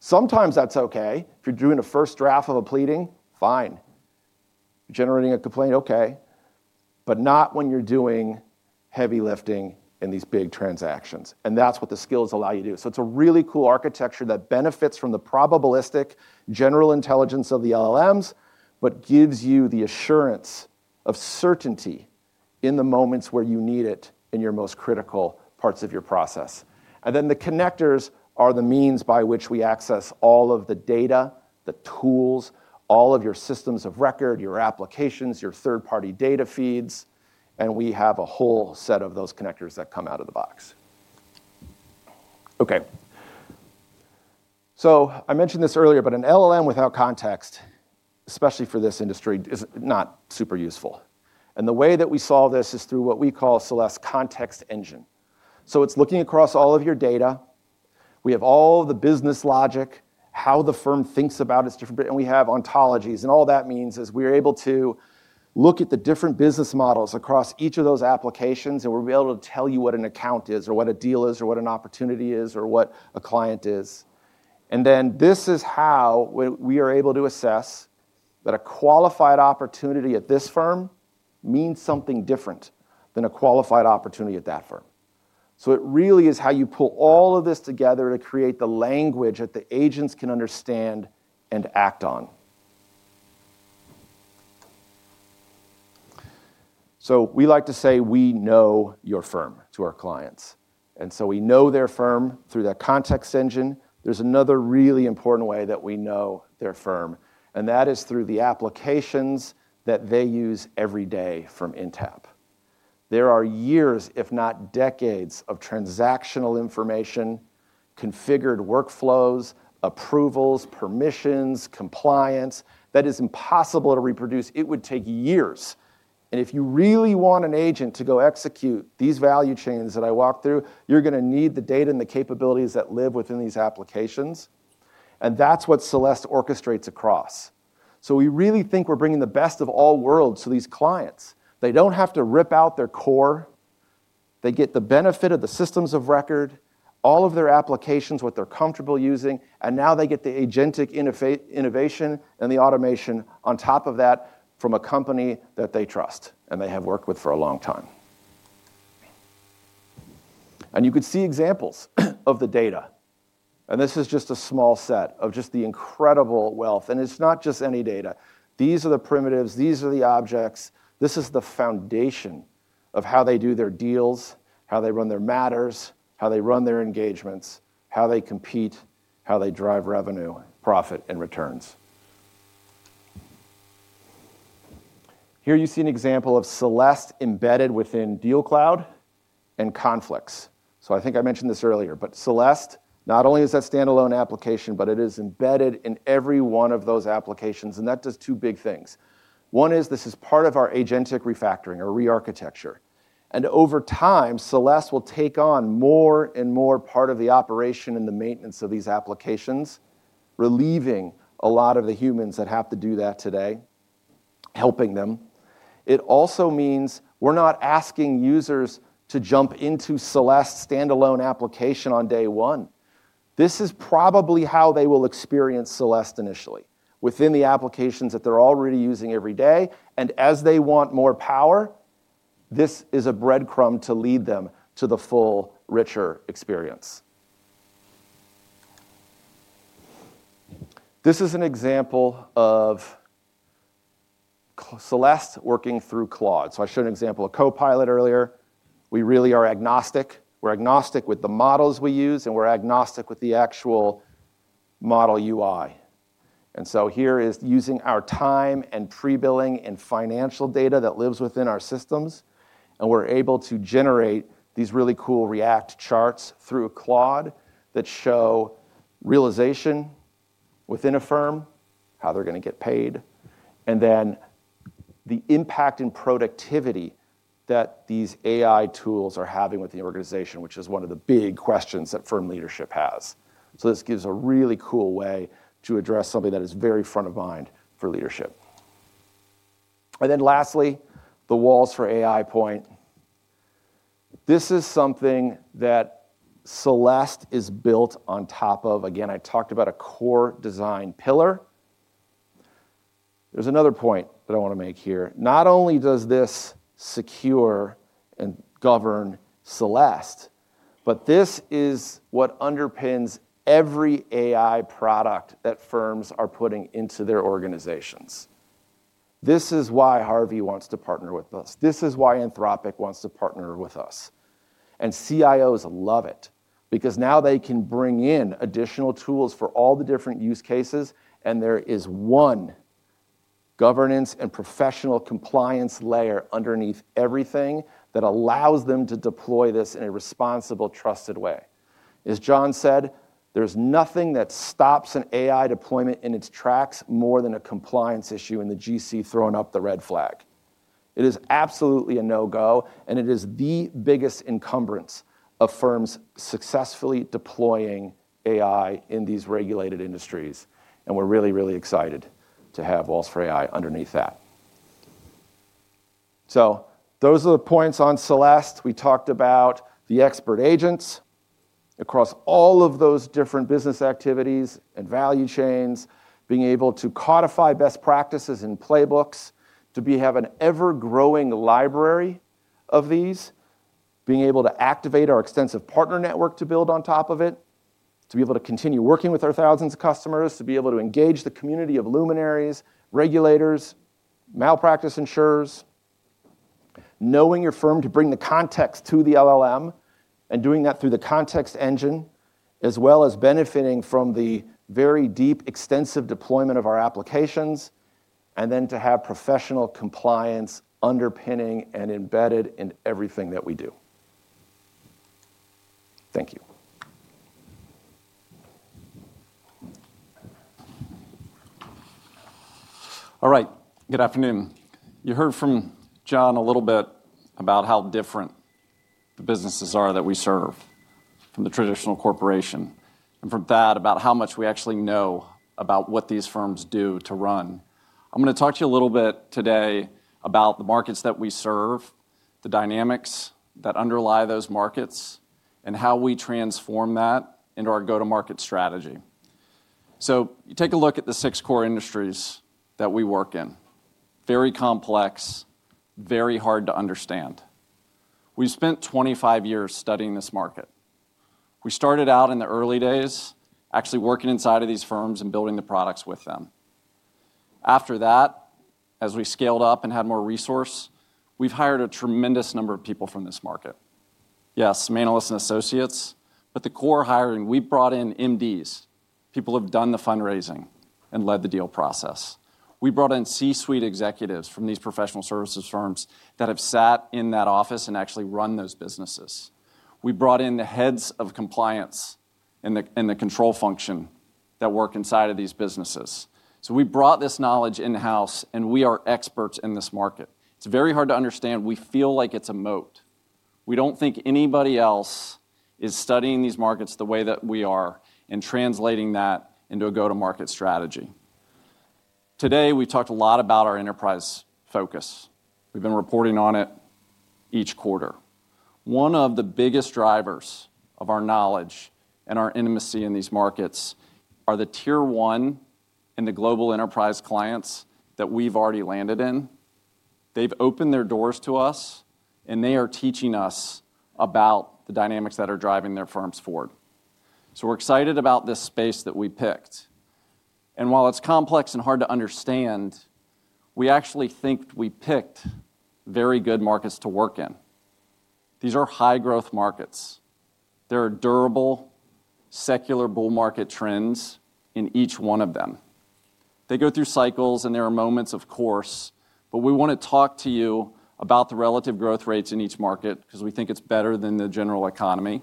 Sometimes that's okay. If you're doing a first draft of a pleading, fine. Generating a complaint, okay. Not when you're doing heavy lifting in these big transactions, and that's what the skills allow you to do. It's a really cool architecture that benefits from the probabilistic general intelligence of the LLMs, but gives you the assurance of certainty in the moments where you need it in your most critical parts of your process. The connectors are the means by which we access all of the data, the tools, all of your systems of record, your applications, your third-party data feeds, and we have a whole set of those connectors that come out of the box. I mentioned this earlier, but an LLM without context, especially for this industry, is not super useful. The way that we solve this is through what we call Celeste Context Engine. It's looking across all of your data. We have all the business logic, how the firm thinks about its different, and we have ontologies. All that means is we're able to look at the different business models across each of those applications, and we'll be able to tell you what an account is, or what a deal is, or what an opportunity is, or what a client is. This is how we are able to assess that a qualified opportunity at this firm means something different than a qualified opportunity at that firm. It really is how you pull all of this together to create the language that the agents can understand and act on. So we like to say we know your firm to our clients, and so we know their firm through that context engine. There's another really important way that we know their firm, and that is through the applications that they use every day from Intapp. There are years, if not decades, of transactional information, configured workflows, approvals, permissions, compliance, that is impossible to reproduce. It would take years. If you really want an agent to go execute these value chains that I walked through, you're gonna need the data and the capabilities that live within these applications, and that's what Celeste orchestrates across. We really think we're bringing the best of all worlds to these clients. They don't have to rip out their core. They get the benefit of the systems of record, all of their applications, what they're comfortable using, now they get the Agentic innovation and the automation on top of that from a company that they trust and they have worked with for a long time. You can see examples of the data, and this is just a small set of just the incredible wealth, and it's not just any data. These are the primitives, these are the objects. This is the foundation of how they do their deals, how they run their matters, how they run their engagements, how they compete, how they drive revenue, profit, and returns. Here you see an example of Celeste embedded within DealCloud and Conflicts. I think I mentioned this earlier, but Celeste, not only is a standalone application, but it is embedded in every one of those applications. That does two big things. One is this is part of our Agentic refactoring or rearchitecture. Over time, Celeste will take on more and more part of the operation and the maintenance of these applications, relieving a lot of the humans that have to do that today, helping them. It also means we're not asking users to jump into Celeste standalone application on day one. This is probably how they will experience Celeste initially, within the applications that they're already using every day. As they want more power, this is a breadcrumb to lead them to the full, richer experience. This is an example of Celeste working through Claude. I showed an example of Copilot earlier. We really are agnostic. We're agnostic with the models we use, we're agnostic with the actual model UI. Here is using our time, and pre-billing, and financial data that lives within our systems, and we're able to generate these really cool React charts through Claude that show realization within a firm, how they're gonna get paid, and then the impact in productivity that these AI tools are having with the organization, which is one of the big questions that firm leadership has. This gives a really cool way to address something that is very front of mind for leadership. Lastly, the walls for AI point. This is something that Celeste is built on top of. Again, I talked about a core design pillar. There's another point that I want to make here. Not only does this secure and govern Celeste, but this is what underpins every AI product that firms are putting into their organizations. This is why Harvey wants to partner with us. This is why Anthropic wants to partner with us. CIOs love it, because now they can bring in additional tools for all the different use cases, and there is one governance and professional compliance layer underneath everything that allows them to deploy this in a responsible, trusted way. As John said, there's nothing that stops an AI deployment in its tracks more than a compliance issue and the GC throwing up the red flag. It is absolutely a no-go. It is the biggest encumbrance of firms successfully deploying AI in these regulated industries. We're really excited to have Walls for AI underneath that. Those are the points on Celeste. We talked about the expert agents across all of those different business activities and value chains, being able to codify best practices in playbooks, have an ever-growing library of these, being able to activate our extensive partner network to build on top of it, to be able to continue working with our thousands of customers, to be able to engage the community of luminaries, regulators, malpractice insurers, knowing your firm to bring the context to the LLM, and doing that through the context engine, as well as benefiting from the very deep, extensive deployment of our applications, and then to have professional compliance underpinning and embedded in everything that we do. Thank you. All right. Good afternoon. You heard from John a little bit about how different the businesses are that we serve from the traditional corporation, and from Thad, about how much we actually know about what these firms do to run. I'm gonna talk to you a little bit today about the markets that we serve, the dynamics that underlie those markets, and how we transform that into our go-to-market strategy. You take a look at the 6 core industries that we work in. Very complex, very hard to understand. We spent 25 years studying this market. We started out in the early days, actually working inside of these firms and building the products with them. After that, as we scaled up and had more resource, we've hired a tremendous number of people from this market. Yes, analysts and associates, but the core hiring, we brought in MDs, people who've done the fundraising and led the deal process. We brought in C-suite executives from these professional services firms that have sat in that office and actually run those businesses. We brought in the heads of compliance and the, and the control function that work inside of these businesses. We brought this knowledge in-house, and we are experts in this market. It's very hard to understand. We feel like it's a moat. We don't think anybody else is studying these markets the way that we are and translating that into a go-to-market strategy. Today, we talked a lot about our enterprise focus. We've been reporting on it each quarter. One of the biggest drivers of our knowledge and our intimacy in these markets are the tier one and the global enterprise clients that we've already landed in. They've opened their doors to us, they are teaching us about the dynamics that are driving their firms forward. We're excited about this space that we picked. While it's complex and hard to understand, we actually think we picked very good markets to work in. These are high-growth markets. There are durable, secular bull market trends in each one of them. They go through cycles, there are moments, of course, we want to talk to you about the relative growth rates in each market, because we think it's better than the general economy.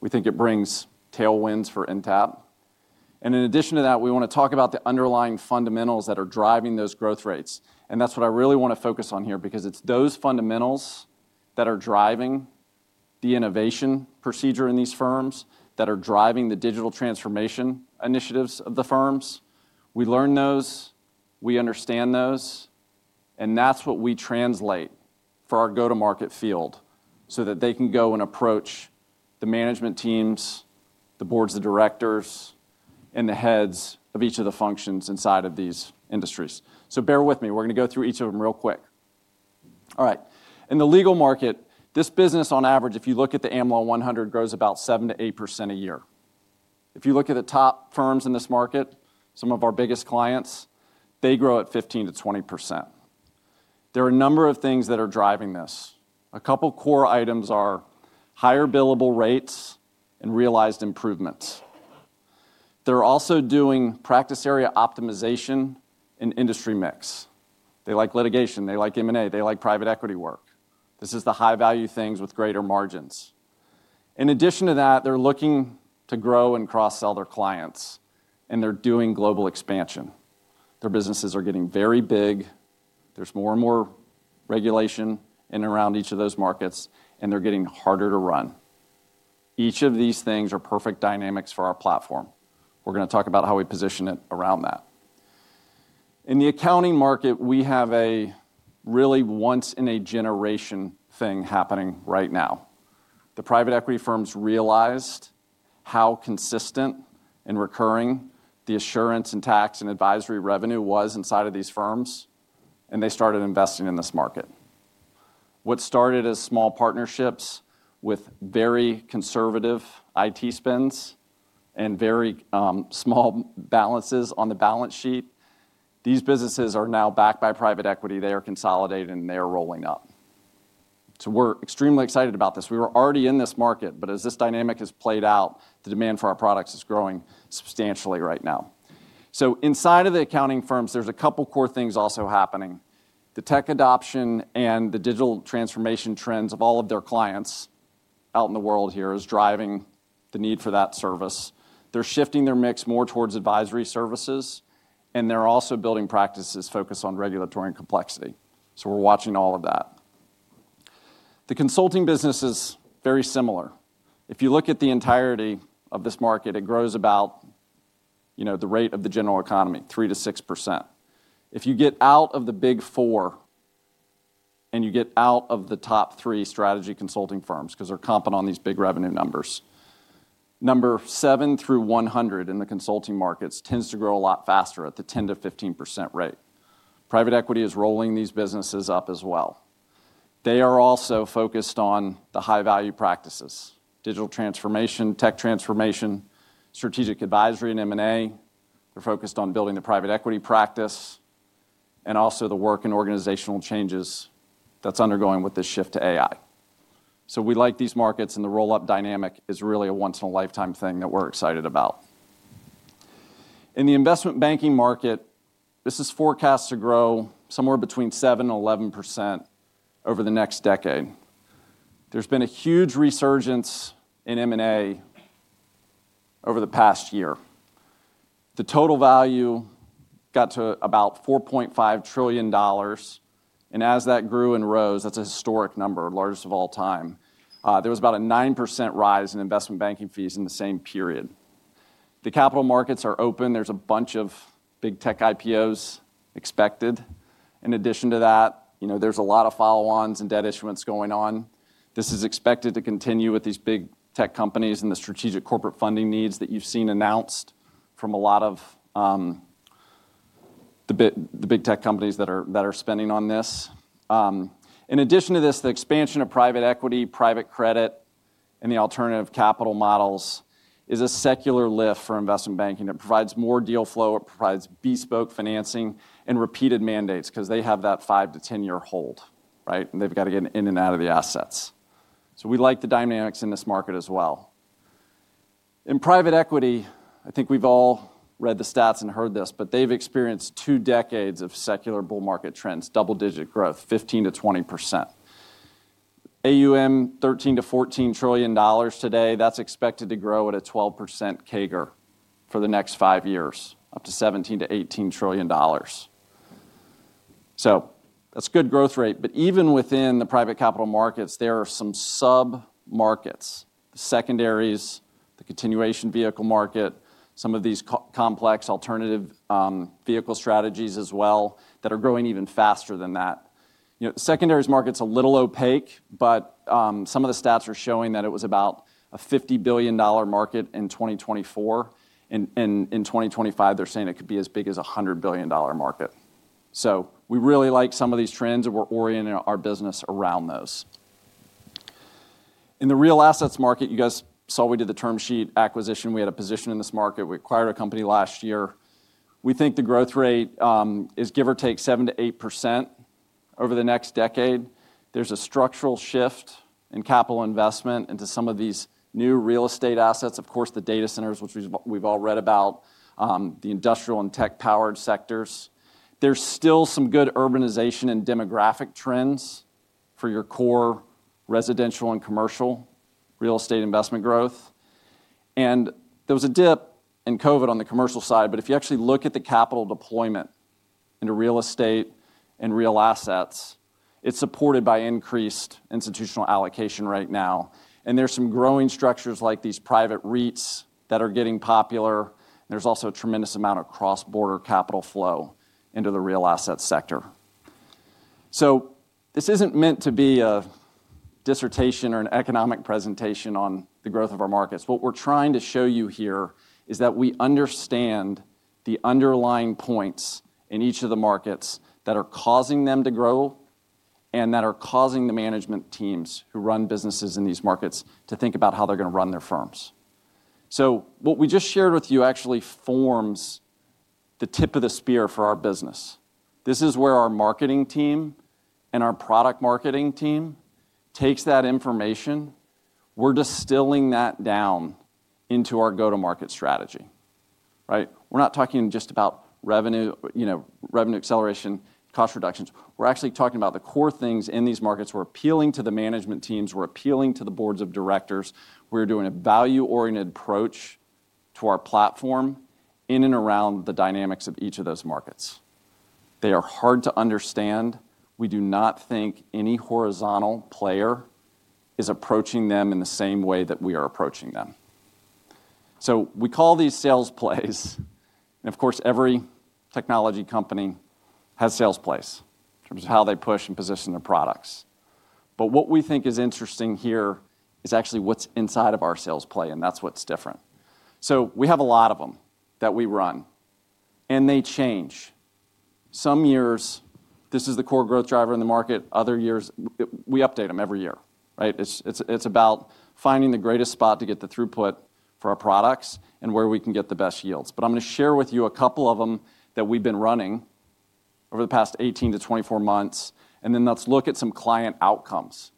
We think it brings tailwinds for NTAP. In addition to that, we want to talk about the underlying fundamentals that are driving those growth rates. That's what I really want to focus on here, because it's those fundamentals that are driving the innovation procedure in these firms, that are driving the digital transformation initiatives of the firms. We learn those, we understand those, and that's what we translate for our go-to-market field, so that they can go and approach the management teams, the boards of directors, and the heads of each of the functions inside of these industries. Bear with me. We're gonna go through each of them real quick. All right. In the legal market, this business, on average, if you look at the Am Law 100, grows about 7% to 8% a year. If you look at the top firms in this market, some of our biggest clients, they grow at 15%-20%. There are a number of things that are driving this. A couple core items are higher billable rates and realized improvements. They're also doing practice area optimization and industry mix. They like litigation, they like M&A, they like private equity work. This is the high-value things with greater margins. In addition to that, they're looking to grow and cross-sell their clients, and they're doing global expansion. Their businesses are getting very big. There's more and more regulation in and around each of those markets, and they're getting harder to run. Each of these things are perfect dynamics for our platform. We're gonna talk about how we position it around that. In the accounting market, we have a really once-in-a-generation thing happening right now. The private equity firms realized how consistent and recurring the assurance and tax and advisory revenue was inside of these firms. They started investing in this market. What started as small partnerships with very conservative IT spends and very small balances on the balance sheet. These businesses are now backed by private equity. They are consolidating. They are rolling up. We're extremely excited about this. We were already in this market, as this dynamic has played out, the demand for our products is growing substantially right now. Inside of the accounting firms, there's a couple core things also happening. The tech adoption and the digital transformation trends of all of their clients out in the world here is driving the need for that service. They're shifting their mix more towards advisory services. They're also building practices focused on regulatory and complexity. We're watching all of that. The consulting business is very similar. If you look at the entirety of this market, it grows about, you know, the rate of the general economy, 3%-6%. If you get out of the Big Four and you get out of the top three strategy consulting firms, 'cause they're comping on these big revenue numbers, number 7 through 100 in the consulting markets tends to grow a lot faster at the 10%-15% rate. Private equity is rolling these businesses up as well. They are also focused on the high-value practices: digital transformation, tech transformation, strategic advisory, and M&A. They're focused on building the private equity practice and also the work in organizational changes that's undergoing with this shift to AI. We like these markets, and the roll-up dynamic is really a once-in-a-lifetime thing that we're excited about. In the investment banking market, this is forecast to grow somewhere between 7% and 11% over the next decade. There's been a huge resurgence in M&A over the past year. The total value got to about $4.5 trillion, and as that grew and rose, that's a historic number, largest of all time. There was about a 9% rise in investment banking fees in the same period. The capital markets are open. There's a bunch of big tech IPOs expected. In addition to that, you know, there's a lot of follow-ons and debt issuance going on. This is expected to continue with these big tech companies and the strategic corporate funding needs that you've seen announced from a lot of the big tech companies that are spending on this. In addition to this, the expansion of private equity, private credit, and the alternative capital models is a secular lift for investment banking. It provides more deal flow, it provides bespoke financing and repeated mandates, 'cause they have that 5-10 year hold, right? They've got to get in and out of the assets. We like the dynamics in this market as well. In private equity, I think we've all read the stats and heard this, but they've experienced two decades of secular bull market trends, double-digit growth, 15%-20%. AUM, $13 trillion-$14 trillion today, that's expected to grow at a 12% CAGR for the next five years, up to $17 trillion-$18 trillion. That's good growth rate, but even within the private capital markets, there are some sub-markets, secondaries, the continuation vehicle market, some of these co-complex alternative, vehicle strategies as well, that are growing even faster than that. You know, secondaries market's a little opaque, but, some of the stats are showing that it was about a $50 billion market in 2024, and in 2025, they're saying it could be as big as a $100 billion market. We really like some of these trends, and we're orienting our business around those. In the real assets market, you guys saw we did the TermSheet acquisition. We had a position in this market. We acquired a company last year. We think the growth rate, is give or take, 7%-8% over the next decade. There's a structural shift in capital investment into some of these new real estate assets. Of course, the data centers, which we've all read about, the industrial and tech-powered sectors. There's still some good urbanization and demographic trends for your core residential and commercial real estate investment growth, and there was a dip in COVID on the commercial side. If you actually look at the capital deployment into real estate and real assets, it's supported by increased institutional allocation right now, and there's some growing structures like these private REITs that are getting popular. There's also a tremendous amount of cross-border capital flow into the real asset sector. This isn't meant to be a dissertation or an economic presentation on the growth of our markets. What we're trying to show you here is that we understand the underlying points in each of the markets that are causing them to grow and that are causing the management teams who run businesses in these markets to think about how they're gonna run their firms. What we just shared with you actually forms the tip of the spear for our business. This is where our marketing team and our product marketing team takes that information. We're distilling that down into our go-to-market strategy, right? We're not talking just about revenue, you know, revenue acceleration, cost reductions. We're actually talking about the core things in these markets. We're appealing to the management teams, we're appealing to the boards of directors. We're doing a value-oriented approach to our platform in and around the dynamics of each of those markets. They are hard to understand. We do not think any horizontal player is approaching them in the same way that we are approaching them. We call these sales plays, and of course, every technology company has sales plays in terms of how they push and position their products. What we think is interesting here is actually what's inside of our sales play, and that's what's different. We have a lot of them that we run, and they change. This is the core growth driver in the market. Other years, we update them every year, right? It's about finding the greatest spot to get the throughput for our products and where we can get the best yields. I'm gonna share with you a couple of them that we've been running over the past 18 to 24 months, and then let's look at some client outcomes.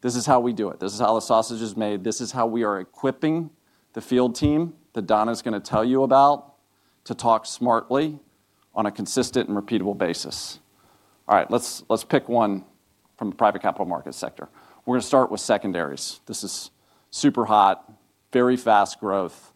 This is how we do it. This is how the sausage is made. This is how we are equipping the field team, that Don's gonna tell you about, to talk smartly on a consistent and repeatable basis. All right, let's pick one from the private capital market sector. We're gonna start with secondaries. This is super hot, very fast growth.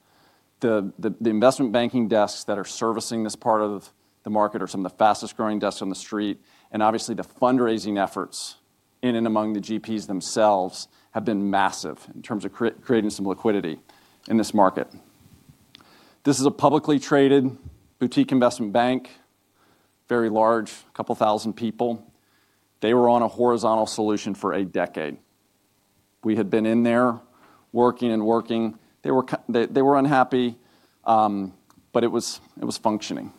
The investment banking desks that are servicing this part of the market are some of the fastest-growing desks on the street, and obviously, the fundraising efforts in and among the GPs themselves have been massive in terms of creating some liquidity in this market. This is a publicly traded boutique investment bank, very large, a couple thousand people. They were on a horizontal solution for a decade. We had been in there, working and working. They were unhappy, but it was functioning.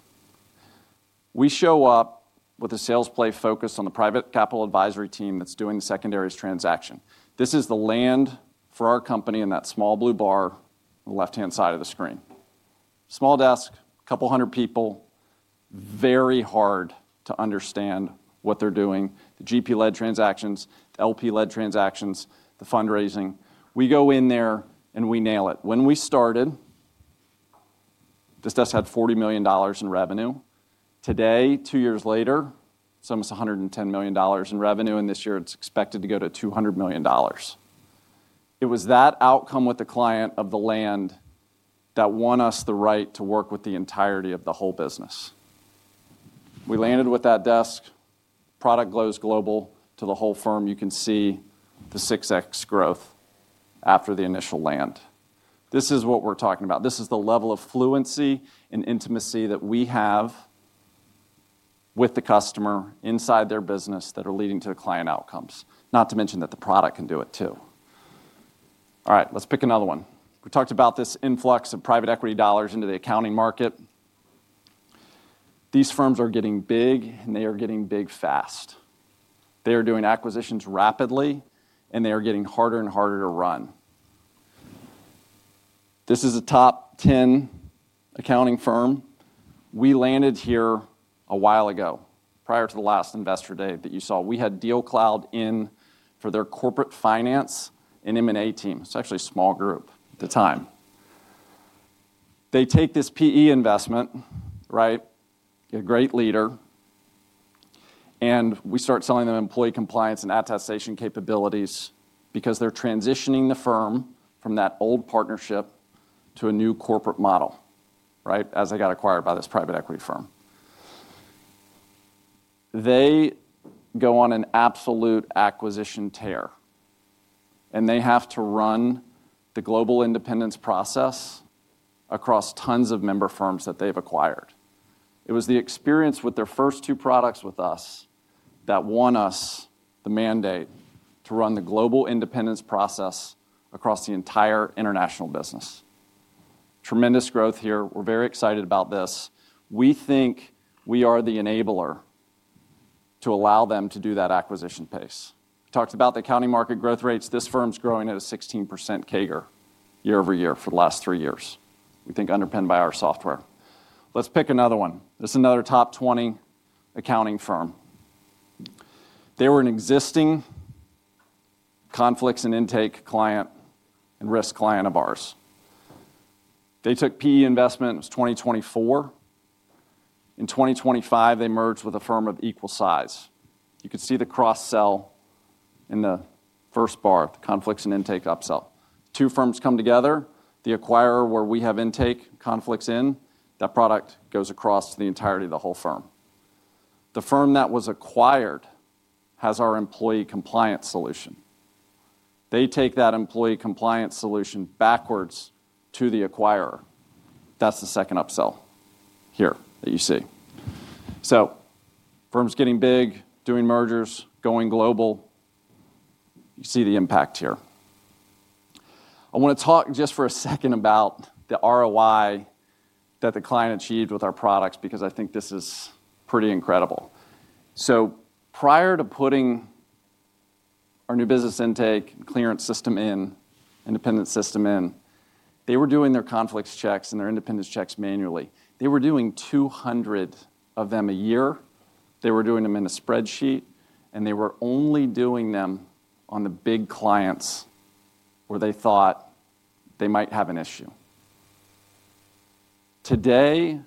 We show up with a sales play focused on the private capital advisory team that's doing the secondaries transaction. This is the land for our company in that small blue bar on the left-hand side of the screen. Small desk, couple hundred people, very hard to understand what they're doing, the GP-led transactions, LP-led transactions, the fundraising. We go in there, we nail it. When we started, this desk had $40 million in revenue. Today, two years later, it's almost $110 million in revenue, this year, it's expected to go to $200 million. It was that outcome with the client of the land that won us the right to work with the entirety of the whole business. We landed with that desk, product goes global to the whole firm. You can see the 6x growth after the initial land. This is what we're talking about. This is the level of fluency and intimacy that we have with the customer inside their business that are leading to the client outcomes. Not to mention that the product can do it, too. All right, let's pick another one. We talked about this influx of private equity dollars into the accounting market. These firms are getting big. They are getting big fast. They are doing acquisitions rapidly. They are getting harder and harder to run. This is a top 10 accounting firm. We landed here a while ago, prior to the last investor day that you saw. We had DealCloud in for their corporate finance and M&A team. It's actually a small group at the time. They take this PE investment, right? A great leader. We start selling them employee compliance and attestation capabilities because they're transitioning the firm from that old partnership to a new corporate model, right? As they got acquired by this private equity firm. They go on an absolute acquisition tear. They have to run the global independence process across tons of member firms that they've acquired. It was the experience with their first two products with us that won us the mandate to run the global independence process across the entire international business. Tremendous growth here. We're very excited about this. We think we are the enabler to allow them to do that acquisition pace. We talked about the accounting market growth rates. This firm's growing at a 16% CAGR year-over-year for the last three years, we think underpinned by our software. Let's pick another one. This is another top 20 accounting firm. They were an existing conflicts and Intake client and risk client of ours. They took PE investment, it was 2024. In 2025, they merged with a firm of equal size. You can see the cross-sell in the first bar, the conflicts and Intake upsell. Two firms come together, the acquirer, where we have Intake conflicts in, that product goes across to the entirety of the whole firm. The firm that was acquired has our employee compliance solution. They take that employee compliance solution backwards to the acquirer. That's the second upsell here that you see. Firm's getting big, doing mergers, going global. You see the impact here. I wanna talk just for a second about the ROI that the client achieved with our products, because I think this is pretty incredible. Prior to putting our new business intake clearance system in, independent system in, they were doing their conflicts checks and their independence checks manually. They were doing 200 of them a year. They were doing them in a spreadsheet, and they were only doing them on the big clients where they thought they might have an issue. Today,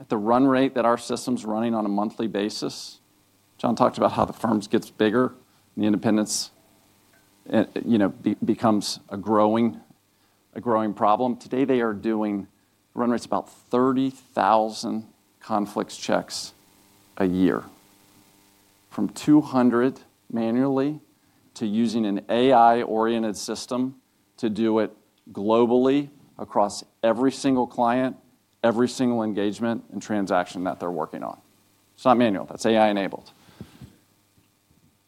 at the run rate that our system's running on a monthly basis, John talked about how the firms gets bigger, and the independence, you know, becomes a growing, a growing problem. Today, they are doing run rates about 30,000 conflicts checks a year, from 200 manually to using an AI-oriented system to do it globally across every single client, every single engagement and transaction that they're working on. It's not manual. That's AI-enabled.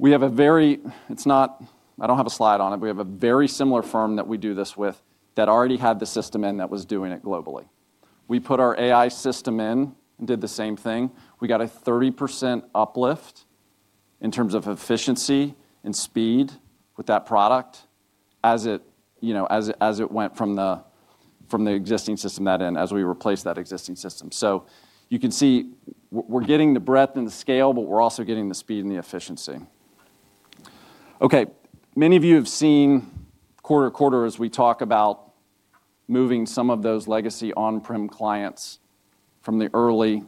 I don't have a slide on it. We have a very similar firm that we do this with that already had the system in that was doing it globally. We put our AI system in and did the same thing. We got a 30% uplift in terms of efficiency and speed with that product, as it, you know, as it went from the existing system as we replaced that existing system. You can see we're getting the breadth and the scale, but we're also getting the speed and the efficiency. Okay, many of you have seen quarter-to-quarter as we talk about moving some of those legacy on-prem clients from the early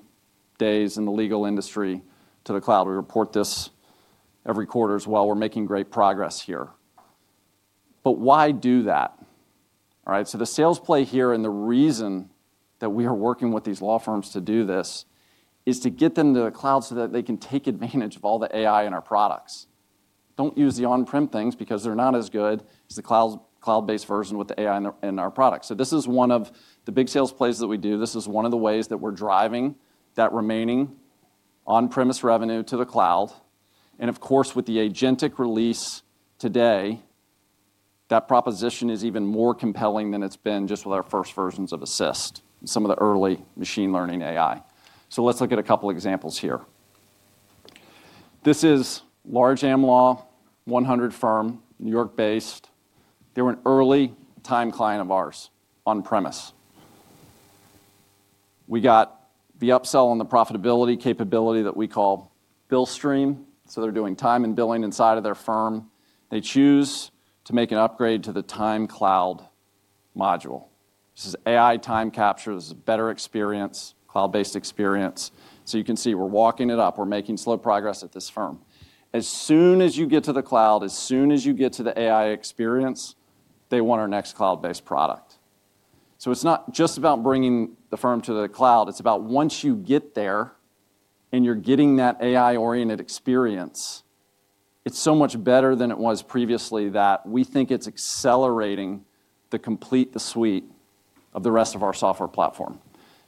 days in the legal industry to the cloud. We report this every quarter as well. We're making great progress here. Why do that? All right, the sales play here, and the reason that we are working with these law firms to do this, is to get them to the cloud so that they can take advantage of all the AI in our products. Don't use the on-prem things because they're not as good as the cloud-based version with the AI in our products. This is one of the big sales plays that we do. This is one of the ways that we're driving that remaining on-premise revenue to the cloud, and of course, with the Agentic Release today, that proposition is even more compelling than it's been just with our first versions of Assist, some of the early machine learning AI. Let's look at a couple examples here. This is large Am Law 100 firm, New York-based. They were an early time client of ours on-premise. We got the upsell on the profitability capability that we call Intapp Billstream, so they're doing time and billing inside of their firm. They choose to make an upgrade to the Intapp Time Cloud module. This is AI time capture. This is a better experience, cloud-based experience. You can see we're walking it up. We're making slow progress at this firm. As soon as you get to the cloud, as soon as you get to the AI experience, they want our next cloud-based product. It's not just about bringing the firm to the cloud, it's about once you get there, and you're getting that AI-oriented experience, it's so much better than it was previously, that we think it's accelerating the complete the suite of the rest of our software platform.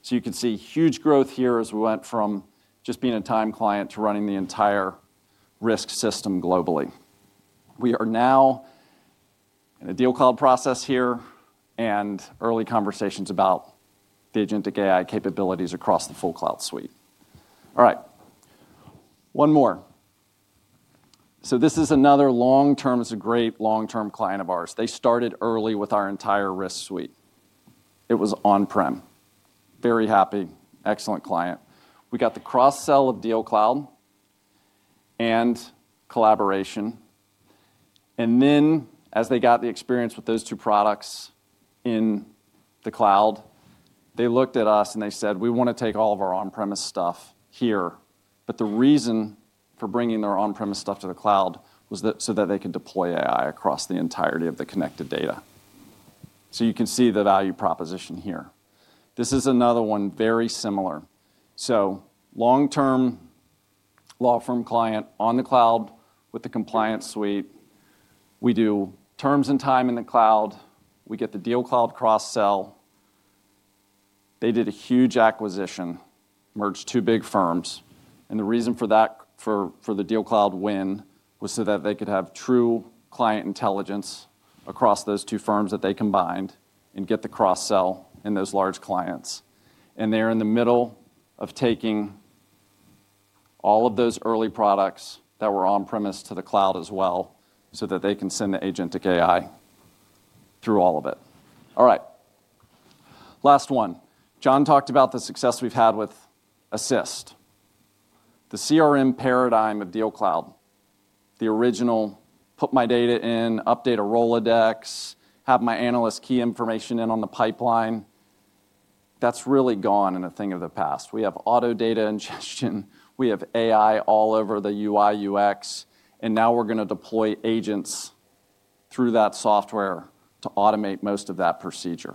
You can see huge growth here as we went from just being a time client to running the entire risk system globally. We are now in a DealCloud process here and early conversations about the Agentic AI capabilities across the full cloud suite. All right, one more. This is another great long-term client of ours. They started early with our entire risk suite. It was on-prem. Very happy, excellent client. We got the cross-sell of DealCloud and Collaboration, and then as they got the experience with those two products in the cloud, they looked at us, and they said, "We wanna take all of our on-premise stuff here." The reason for bringing their on-premise stuff to the cloud was that so that they could deploy AI across the entirety of the connected data. You can see the value proposition here. This is another one, very similar. Long-term law firm client on the cloud with the compliance suite. We do terms and time in the cloud. We get the DealCloud cross-sell. They did a huge acquisition, merged two big firms, the reason for that, for the DealCloud win was so that they could have true client intelligence across those two firms that they combined and get the cross-sell and those large clients. They're in the middle of taking all of those early products that were on-premise to the cloud as well, so that they can send the Agentic AI through all of it. All right, last one. John talked about the success we've had with Assist, the CRM paradigm of DealCloud, the original, put my data in, update a Rolodex, have my analyst key information in on the pipeline. That's really gone and a thing of the past. We have auto data ingestion, we have AI all over the UI, UX, and now we're gonna deploy agents through that software to automate most of that procedure.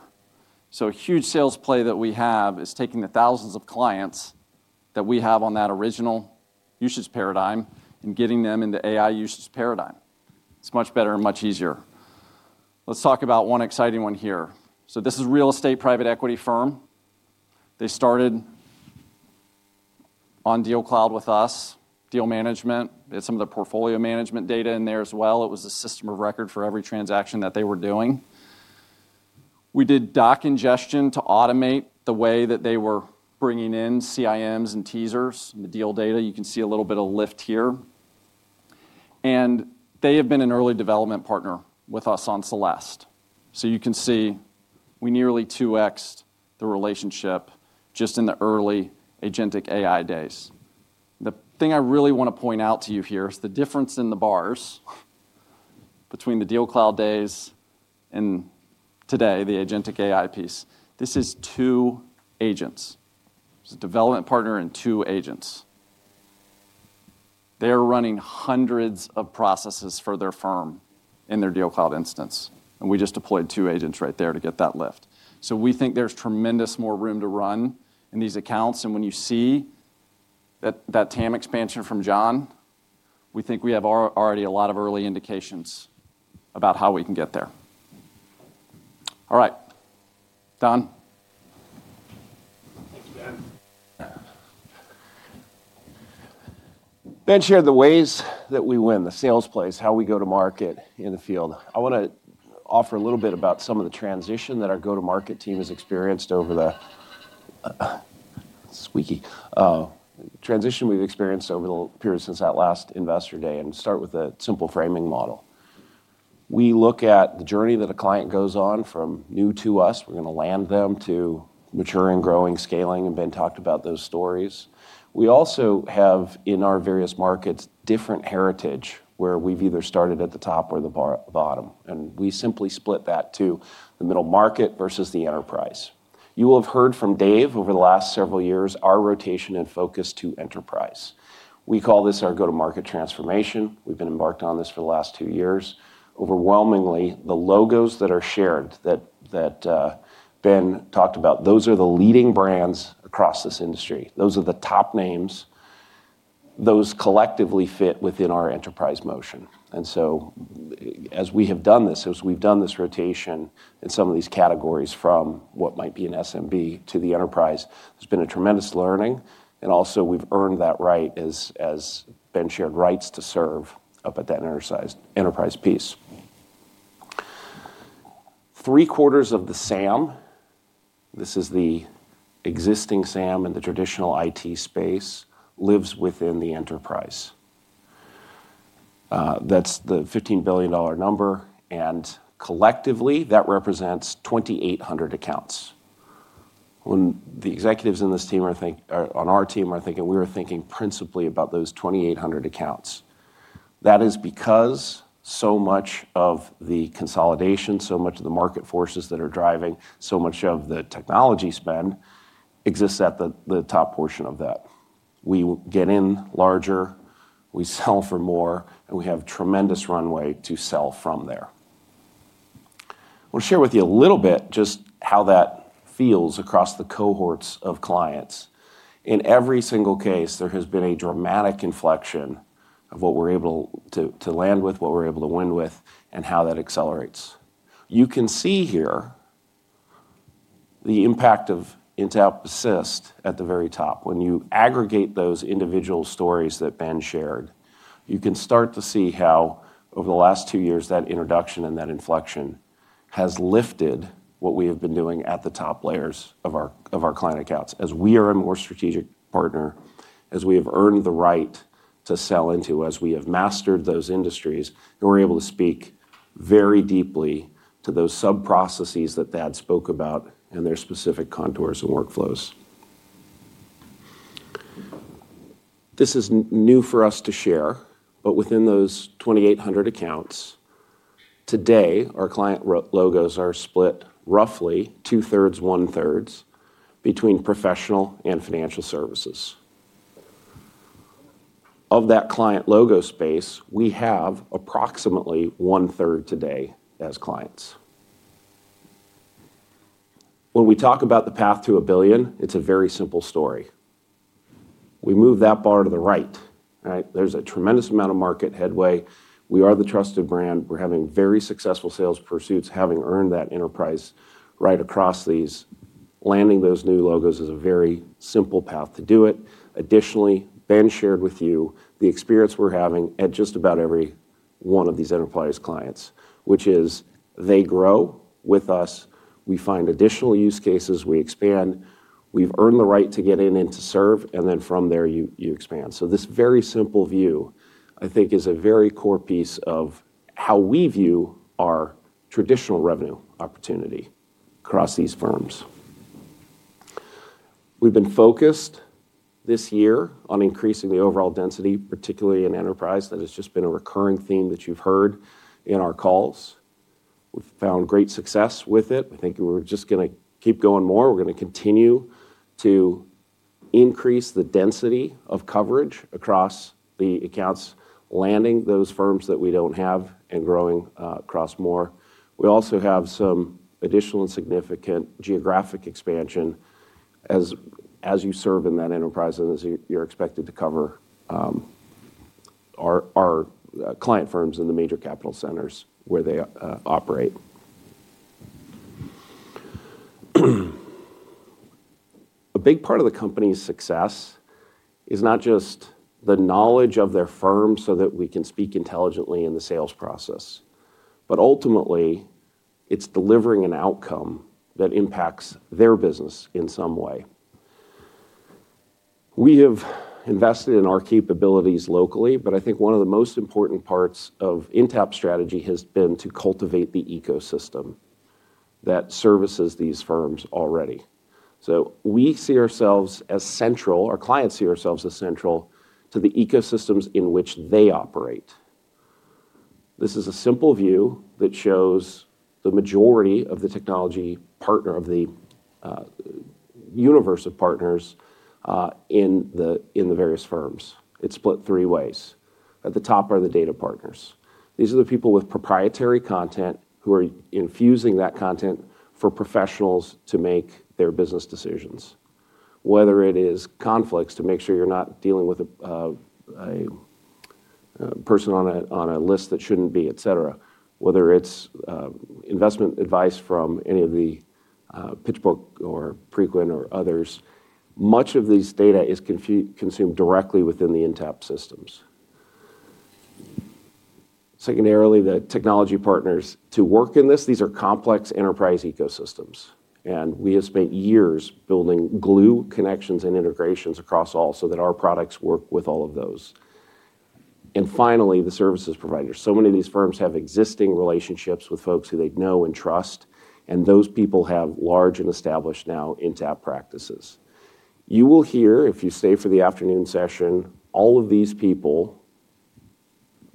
A huge sales play that we have is taking the thousands of clients that we have on that original usage paradigm and getting them into AI usage paradigm. It's much better and much easier. Let's talk about one exciting one here. This is real estate private equity firm. They started on DealCloud with us, deal management, they had some of the portfolio management data in there as well. It was a system of record for every transaction that they were doing. We did doc ingestion to automate the way that they were bringing in CIMs and teasers, the deal data. You can see a little bit of lift here. They have been an early development partner with us on Celeste. You can see we nearly 2x'd the relationship just in the early Agentic AI days. The thing I really want to point out to you here is the difference in the bars between the DealCloud days and today, the Agentic AI piece. This is 2 agents. It's a development partner and 2 agents. They are running hundreds of processes for their firm in their DealCloud instance, and we just deployed 2 agents right there to get that lift. We think there's tremendous more room to run in these accounts, and when you see that TAM expansion from John, we think we have already a lot of early indications about how we can get there. All right, Don? Ben shared the ways that we win, the sales place, how we go to market in the field. I want to offer a little bit about some of the transition that our go-to-market team has experienced over the, squeaky, transition we've experienced over the period since that last Investor Day, and start with a simple framing model. We look at the journey that a client goes on from new to us. We're gonna land them to mature and growing, scaling, and Ben talked about those stories. We also have, in our various markets, different heritage, where we've either started at the top or the bottom, and we simply split that to the middle market versus the enterprise. You will have heard from Dave over the last several years, our rotation and focus to enterprise. We call this our go-to-market transformation. We've been embarked on this for the last two years. Overwhelmingly, the logos that are shared, that Ben talked about, those are the leading brands across this industry. Those are the top names. Those collectively fit within our enterprise motion. As we have done this, as we've done this rotation in some of these categories, from what might be an SMB to the enterprise, there's been a tremendous learning, and also we've earned that right as Ben shared, rights to serve up at that enterprise piece. Three-quarters of the SAM, this is the existing SAM in the traditional IT space, lives within the enterprise. That's the $15 billion number, and collectively, that represents 2,800 accounts. When the executives in this team on our team are thinking, we are thinking principally about those 2,800 accounts. That is because so much of the consolidation, so much of the market forces that are driving, so much of the technology spend, exists at the top portion of that. We get in larger, we sell for more, and we have tremendous runway to sell from there. I want to share with you a little bit just how that feels across the cohorts of clients. In every single case, there has been a dramatic inflection of what we're able to land with, what we're able to win with, and how that accelerates. You can see here the impact of Intapp Assist at the very top. When you aggregate those individual stories that Ben shared, you can start to see how, over the last two years, that introduction and that inflection has lifted what we have been doing at the top layers of our client accounts. As we are a more strategic partner, as we have earned the right to sell into, as we have mastered those industries, and we're able to speak very deeply to those sub-processes that Thad spoke about and their specific contours and workflows. This is new for us to share. Within those 2,800 accounts, today, our client logos are split roughly two-thirds, one-thirds, between professional and financial services. Of that client logo space, we have approximately one-third today as clients. When we talk about the path to $1 billion, it's a very simple story. We move that bar to the right? There's a tremendous amount of market headway. We are the trusted brand. We're having very successful sales pursuits, having earned that enterprise right across these. Landing those new logos is a very simple path to do it. Additionally, Ben shared with you the experience we're having at just about every one of these enterprise clients, which is they grow with us, we find additional use cases, we expand, we've earned the right to get in and to serve, and then from there, you expand. This very simple view, I think, is a very core piece of how we view our traditional revenue opportunity across these firms. We've been focused this year on increasing the overall density, particularly in enterprise. That has just been a recurring theme that you've heard in our calls. We've found great success with it. I think we're just gonna keep going more. We're gonna continue to increase the density of coverage across the accounts, landing those firms that we don't have and growing across more. We also have some additional and significant geographic expansion as you serve in that enterprise and as you're expected to cover our client firms in the major capital centers where they operate. A big part of the company's success is not just the knowledge of their firm so that we can speak intelligently in the sales process, but ultimately, it's delivering an outcome that impacts their business in some way. We have invested in our capabilities locally, but I think one of the most important parts of Intapp strategy has been to cultivate the ecosystem that services these firms already. We see ourselves as central, our clients see ourselves as central to the ecosystems in which they operate. This is a simple view that shows the majority of the technology partner of the universe of partners in the various firms. It's split three ways. At the top are the data partners. These are the people with proprietary content, who are infusing that content for professionals to make their business decisions, whether it is conflicts, to make sure you're not dealing with a person on a list that shouldn't be, et cetera. Whether it's investment advice from any of the PitchBook or Preqin or others, much of these data is consumed directly within the Intapp systems. Secondarily, the technology partners to work in this, these are complex enterprise ecosystems, and we have spent years building glue connections and integrations across all, so that our products work with all of those. Finally, the services providers. Many of these firms have existing relationships with folks who they know and trust, and those people have large and established now Intapp practices. You will hear, if you stay for the afternoon session, all of these people,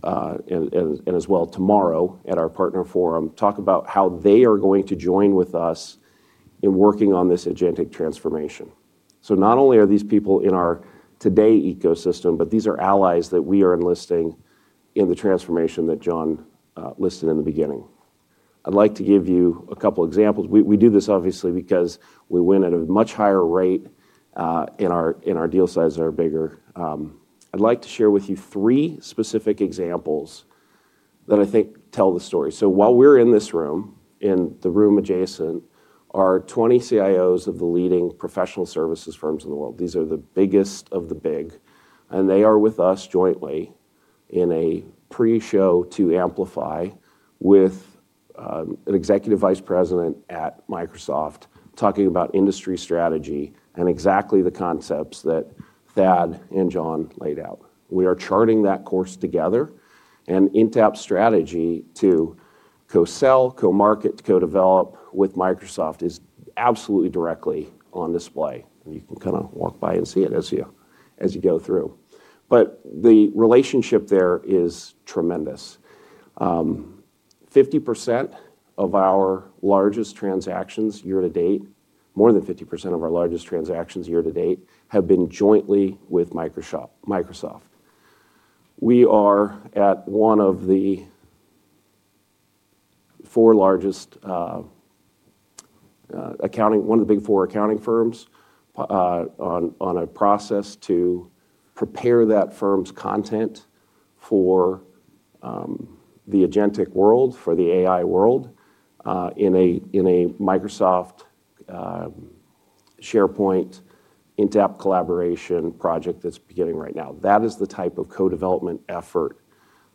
and as well tomorrow at our partner forum, talk about how they are going to join with us in working on this Agentic Transformation. Not only are these people in our today ecosystem, but these are allies that we are enlisting in the transformation that John listed in the beginning. I'd like to give you a couple examples. We do this obviously because we win at a much higher rate, and our deal sizes are bigger. I'd like to share with you three specific examples that I think tell the story. While we're in this room, in the room adjacent, are 20 CIOs of the leading professional services firms in the world. These are the biggest of the big, they are with us jointly in a pre-show to Amplify with an executive vice president at Microsoft talking about industry strategy and exactly the concepts that Thad and John laid out. We are charting that course together, Intapp strategy to co-sell, co-market, to co-develop with Microsoft is absolutely directly on display. You can kinda walk by and see it as you go through. The relationship there is tremendous. 50% of our largest transactions year to date, more than 50% of our largest transactions year to date, have been jointly with Microsoft. We are at one of the four largest accounting—one of the Big Four accounting firms on a process to prepare that firm's content for the Agentic World, for the AI world, in a Microsoft SharePoint Intapp collaboration project that's beginning right now. That is the type of co-development effort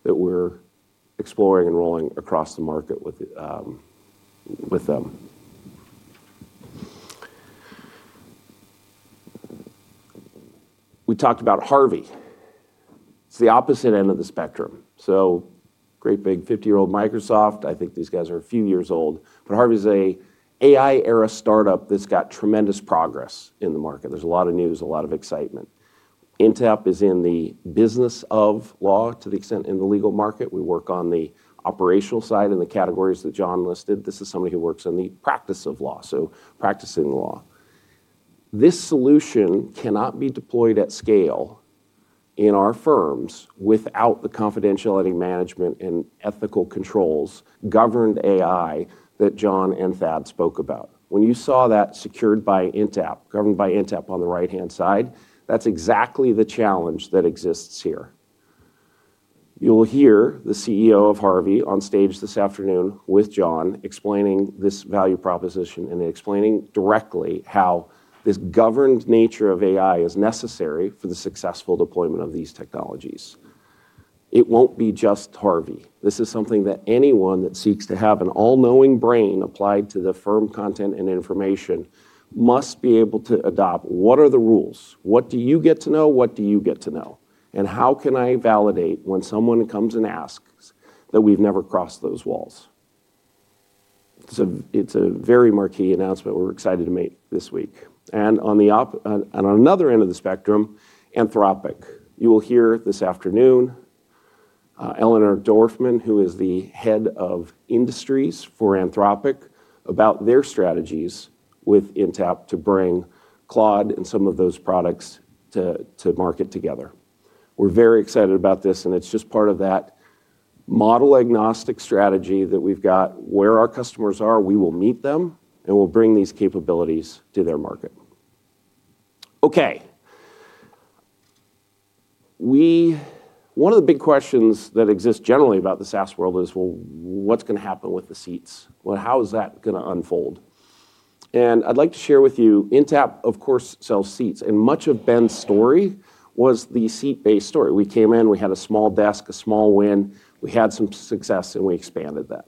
that we're exploring and rolling across the market with them. We talked about Harvey. It's the opposite end of the spectrum. Great, big 50-year-old Microsoft, I think these guys are a few years old, but Harvey is an AI-era startup that's got tremendous progress in the market. There's a lot of news, a lot of excitement. Intapp is in the business of law to the extent in the legal market. We work on the operational side and the categories that John listed. This is somebody who works in the practice of law, so practicing law. This solution cannot be deployed at scale in our firms without the confidentiality management and ethical controls, governed AI, that John and Thad spoke about. When you saw that secured by Intapp, governed by Intapp on the right-hand side, that's exactly the challenge that exists here. You'll hear the CEO of Harvey on stage this afternoon with John, explaining this value proposition and explaining directly how this governed nature of AI is necessary for the successful deployment of these technologies. It won't be just Harvey. This is something that anyone that seeks to have an all-knowing brain applied to the firm content and information must be able to adopt. What are the rules? What do you get to know? What do you get to know? How can I validate when someone comes and asks that we've never crossed those walls? It's a very marquee announcement we're excited to make this week. On another end of the spectrum, Anthropic. You will hear this afternoon, Eleanor Dorfman, who is the Head of Industries for Anthropic, about their strategies with Intapp to bring Claude and some of those products to market together. We're very excited about this, it's just part of that model-agnostic strategy that we've got. Where our customers are, we will meet them, we'll bring these capabilities to their market. Okay. One of the big questions that exists generally about the SaaS world is, well, what's gonna happen with the seats? Well, how is that gonna unfold? I'd like to share with you, Intapp of course, sells seats, and much of Ben's story was the seat-based story. We came in, we had a small desk, a small win, we had some success, and we expanded that.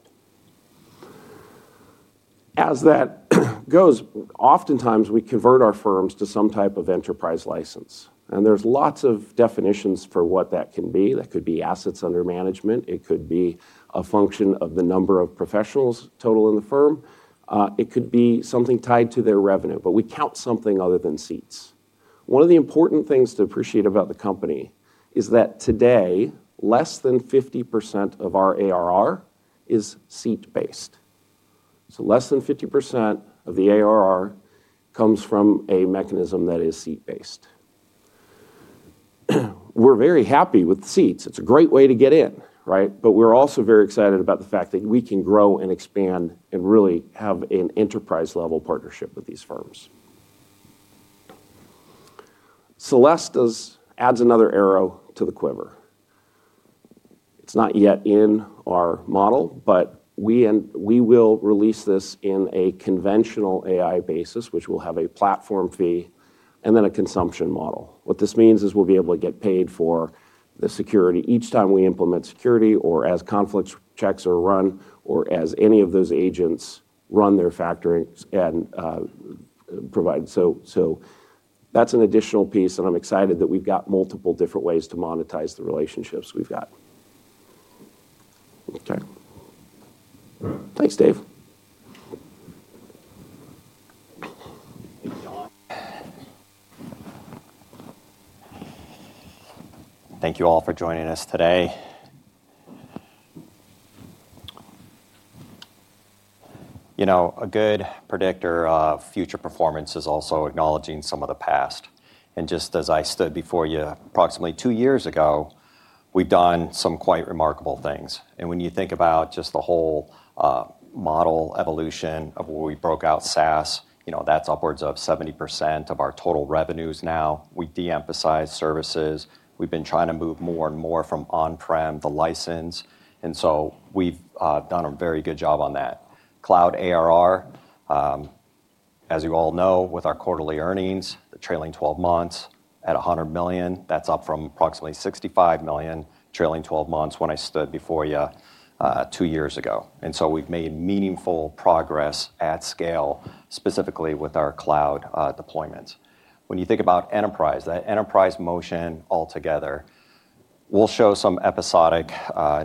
As that goes, oftentimes, we convert our firms to some type of enterprise license, and there's lots of definitions for what that can be. That could be assets under management. It could be a function of the number of professionals total in the firm. It could be something tied to their revenue, but we count something other than seats. One of the important things to appreciate about the company is that today, less than 50% of our ARR is seat based. Less than 50% of the ARR comes from a mechanism that is seat based. We're very happy with seats. It's a great way to get in, right? We're also very excited about the fact that we can grow and expand and really have an enterprise-level partnership with these firms. Celeste does, adds another arrow to the quiver. It's not yet in our model, but we will release this in a conventional AI basis, which will have a platform fee and then a consumption model. What this means is we'll be able to get paid for the security each time we implement security, or as conflicts checks are run, or as any of those agents run their factory and provide. That's an additional piece, and I'm excited that we've got multiple different ways to monetize the relationships we've got. Okay. Thanks, Dave. Thank you all for joining us today. You know, a good predictor of future performance is also acknowledging some of the past. Just as I stood before you approximately two years ago, we've done some quite remarkable things. When you think about just the whole model evolution of where we broke out SaaS, you know, that's upwards of 70% of our total revenues now. We de-emphasized services. We've been trying to move more and more from on-prem to license, we've done a very good job on that. Cloud ARR, as you all know, with our quarterly earnings, the trailing 12 months at $100 million, that's up from approximately $65 million, trailing 12 months when I stood before you two years ago. We've made meaningful progress at scale, specifically with our cloud deployments. When you think about enterprise, the enterprise motion altogether, we'll show some episodic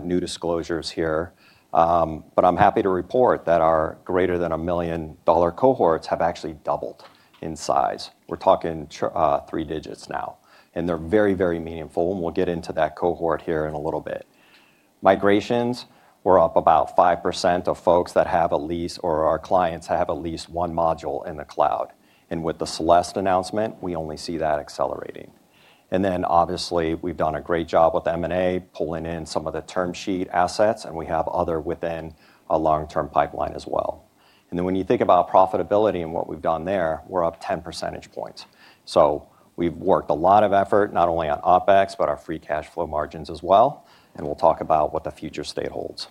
new disclosures here. I'm happy to report that our greater than $1 million cohorts have actually doubled in size. We're talking three digits now. They're very, very meaningful, and we'll get into that cohort here in a little bit. Migrations, we're up about 5% of folks that have at least one module in the cloud. With the Celeste announcement, we only see that accelerating. Obviously, we've done a great job with M&A, pulling in some of the TermSheet assets. We have other within a long-term pipeline as well. When you think about profitability and what we've done there, we're up 10 percentage points. We've worked a lot of effort not only on OpEx, but our free cash flow margins as well. We'll talk about what the future state holds.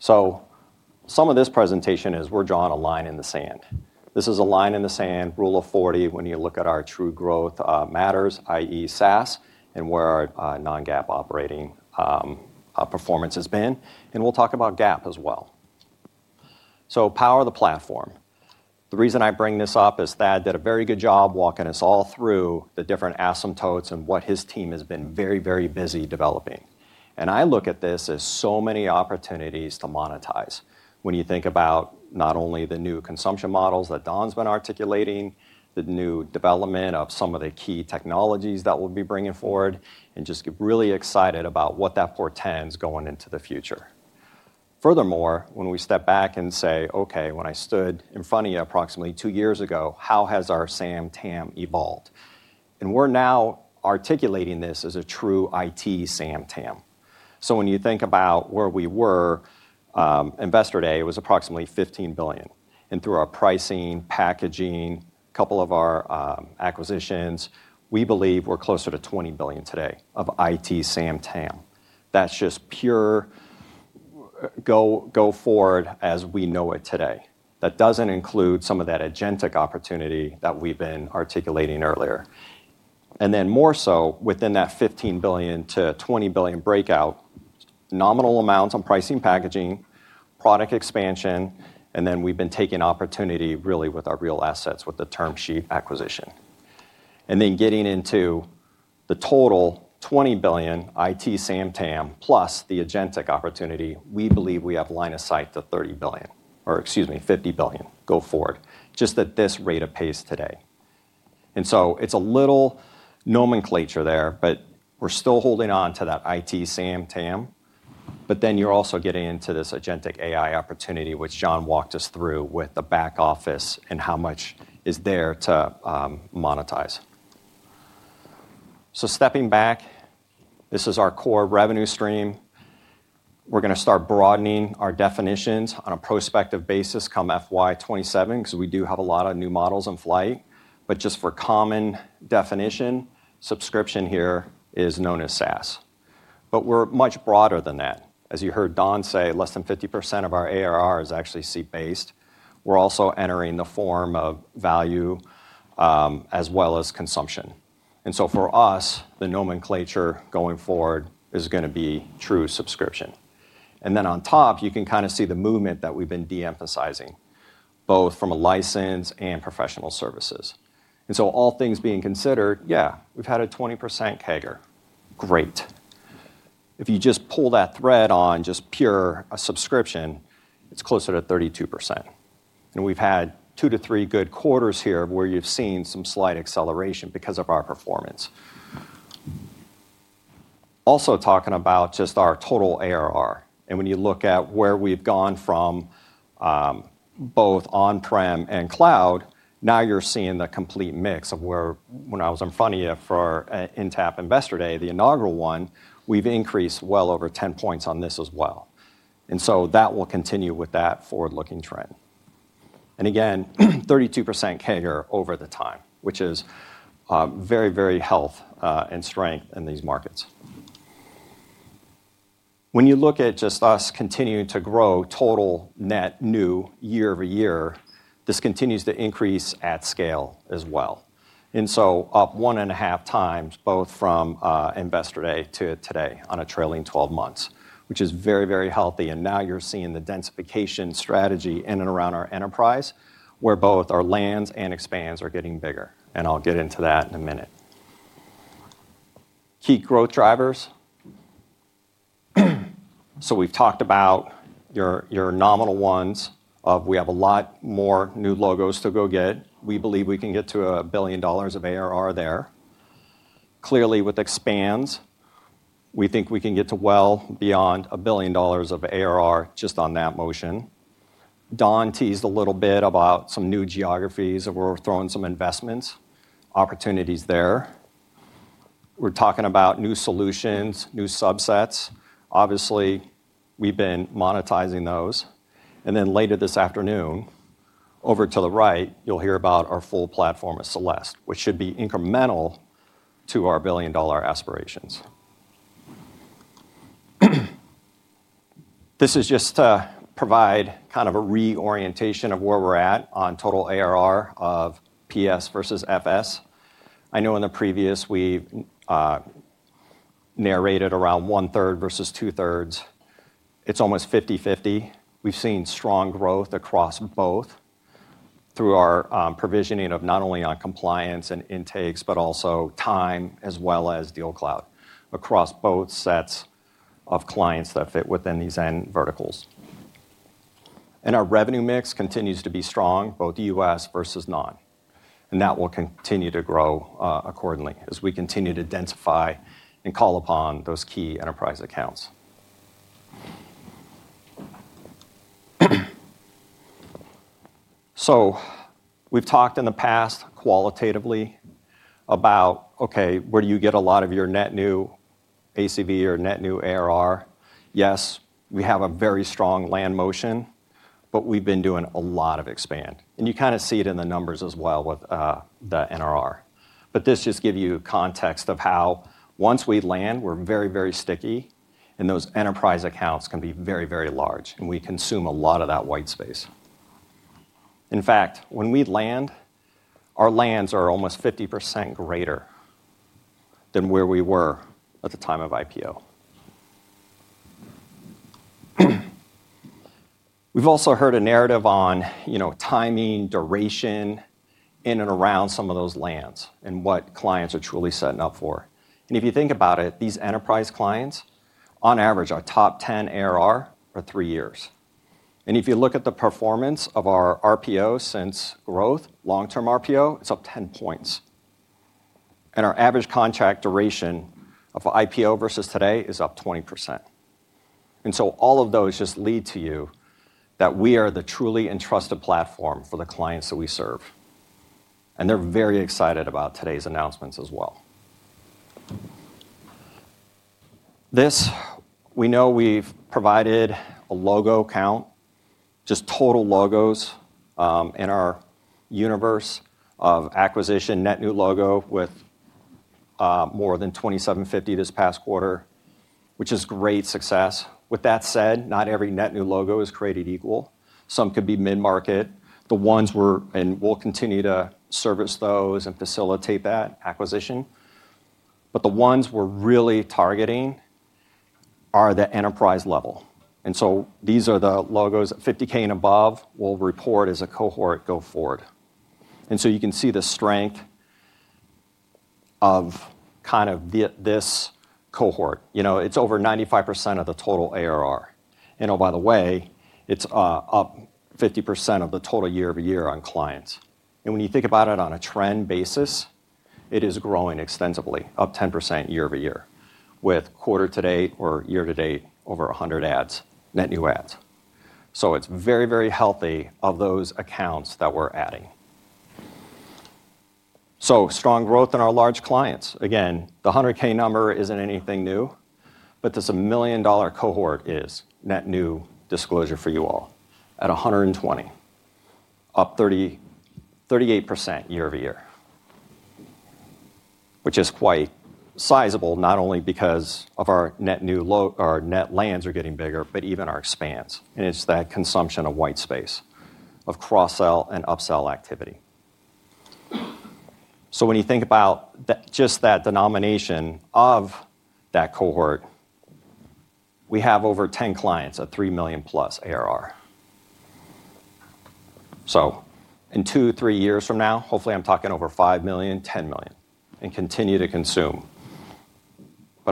Some of this presentation is we're drawing a line in the sand. This is a line in the sand, rule of 40, when you look at our true growth, matters, i.e., SaaS, and where our non-GAAP operating performance has been. We'll talk about GAAP as well. Power of the platform. The reason I bring this up is Thad did a very good job walking us all through the different asymptotes and what his team has been very busy developing. I look at this as so many opportunities to monetize. When you think about not only the new consumption models that Don's been articulating, the new development of some of the key technologies that we'll be bringing forward, and just get really excited about what that portends going into the future. Furthermore, when we step back and say, "Okay, when I stood in front of you approximately two years ago, how has our SAM TAM evolved?" We're now articulating this as a true IT SAM TAM. When you think about where we were, Investor Day, it was approximately $15 billion, and through our pricing, packaging, a couple of our acquisitions, we believe we're closer to $20 billion today of IT SAM TAM. That's just pure go forward as we know it today. That doesn't include some of that Agentic Opportunity that we've been articulating earlier. More so, within that $15 billion-$20 billion breakout, nominal amounts on pricing, packaging, product expansion, and then we've been taking opportunity really with our real assets, with the TermSheet acquisition. Getting into the total $20 billion IT SAM TAM, plus the Agentic Opportunity, we believe we have line of sight to $30 billion or, excuse me, $50 billion go forward, just at this rate of pace today. It's a little nomenclature there, but we're still holding on to that IT SAM TAM. You're also getting into this Agentic AI Opportunity, which John walked us through with the back office and how much is there to monetize. Stepping back, this is our core revenue stream. We're gonna start broadening our definitions on a prospective basis come FY27, because we do have a lot of new models in flight, but just for common definition, subscription here is known as SaaS. We're much broader than that. As you heard Don say, less than 50% of our ARR is actually seat-based. We're also entering the form of value, as well as consumption. For us, the nomenclature going forward is gonna be true subscription. On top, you can kinda see the movement that we've been de-emphasizing, both from a license and professional services. All things being considered, yeah, we've had a 20% CAGR. Great. If you just pull that thread on just pure subscription, it's closer to 32%. We've had 2-3 good quarters here where you've seen some slight acceleration because of our performance. Also talking about just our total ARR, when you look at where we've gone from, both on-prem and cloud, now you're seeing the complete mix of when I was in front of you for Intapp Investor Day, the inaugural one, we've increased well over 10 points on this as well. That will continue with that forward-looking trend. Again, 32% CAGR over the time, which is very, very health and strength in these markets. When you look at just us continuing to grow total net new year-over-year, this continues to increase at scale as well. Up one and a half times, both from Investor Day to today on a trailing 12 months, which is very, very healthy. Now you're seeing the densification strategy in and around our enterprise, where both our lands and expands are getting bigger, and I'll get into that in a minute. Key growth drivers. We've talked about your nominal ones, of we have a lot more new logos to go get. We believe we can get to $1 billion of ARR there. Clearly, with expands, we think we can get to well beyond $1 billion of ARR just on that motion. Don teased a little bit about some new geographies, we're throwing some investments, opportunities there. We're talking about new solutions, new subsets. Obviously, we've been monetizing those. Later this afternoon, over to the right, you'll hear about our full platform of Celeste, which should be incremental to our billion-dollar aspirations. This is just to provide kind of a reorientation of where we're at on total ARR of PS versus FS. I know in the previous, we've narrated around one-third versus two-thirds. It's almost 50/50. We've seen strong growth across both through our provisioning of not only on compliance and intakes, but also time as well as DealCloud, across both sets of clients that fit within these end verticals. Our revenue mix continues to be strong, both U.S. versus non, and that will continue to grow accordingly as we continue to densify and call upon those key enterprise accounts. We've talked in the past qualitatively about, okay, where do you get a lot of your net new ACV or net new ARR? Yes, we have a very strong land motion, but we've been doing a lot of expand, and you kinda see it in the numbers as well with the NRR. This just give you context of how once we land, we're very, very sticky, and those enterprise accounts can be very, very large, and we consume a lot of that white space. In fact, when we land, our lands are almost 50% greater than where we were at the time of IPO. We've also heard a narrative on, you know, timing, duration, in and around some of those lands and what clients are truly setting up for. If you think about it, these enterprise clients, on average, our top 10 ARR are 3 years. If you look at the performance of our RPO since growth, long-term RPO, it's up 10 points. Our average contract duration of IPO versus today is up 20%. All of those just lead to you that we are the truly entrusted platform for the clients that we serve, and they're very excited about today's announcements as well. This, we know we've provided a logo count, just total logos, in our universe of acquisition, net new logo with more than 2,750 this past quarter, which is great success. With that said, not every net new logo is created equal. Some could be mid-market. The ones we'll continue to service those and facilitate that acquisition, but the ones we're really targeting are the enterprise level. These are the logos, 50K and above, we'll report as a cohort go forward. You can see the strength of kind of this cohort. You know, it's over 95% of the total ARR. Oh, by the way, it's up 50% of the total year-over-year on clients. When you think about it on a trend basis, it is growing extensively, up 10% year-over-year, with quarter to date or year to date, over 100 adds, net new adds. It's very healthy of those accounts that we're adding. Strong growth in our large clients. The 100K number isn't anything new, but this $1 million cohort is net new disclosure for you all at 120, up 38% year-over-year, which is quite sizable, not only because of our net new our net lands are getting bigger, but even our expands, and it's that consumption of white space, of cross-sell and upsell activity. When you think about the, just that denomination of that cohort, we have over 10 clients, a $3 million-plus ARR. In 2, 3 years from now, hopefully, I'm talking over $5 million, $10 million, and continue to consume.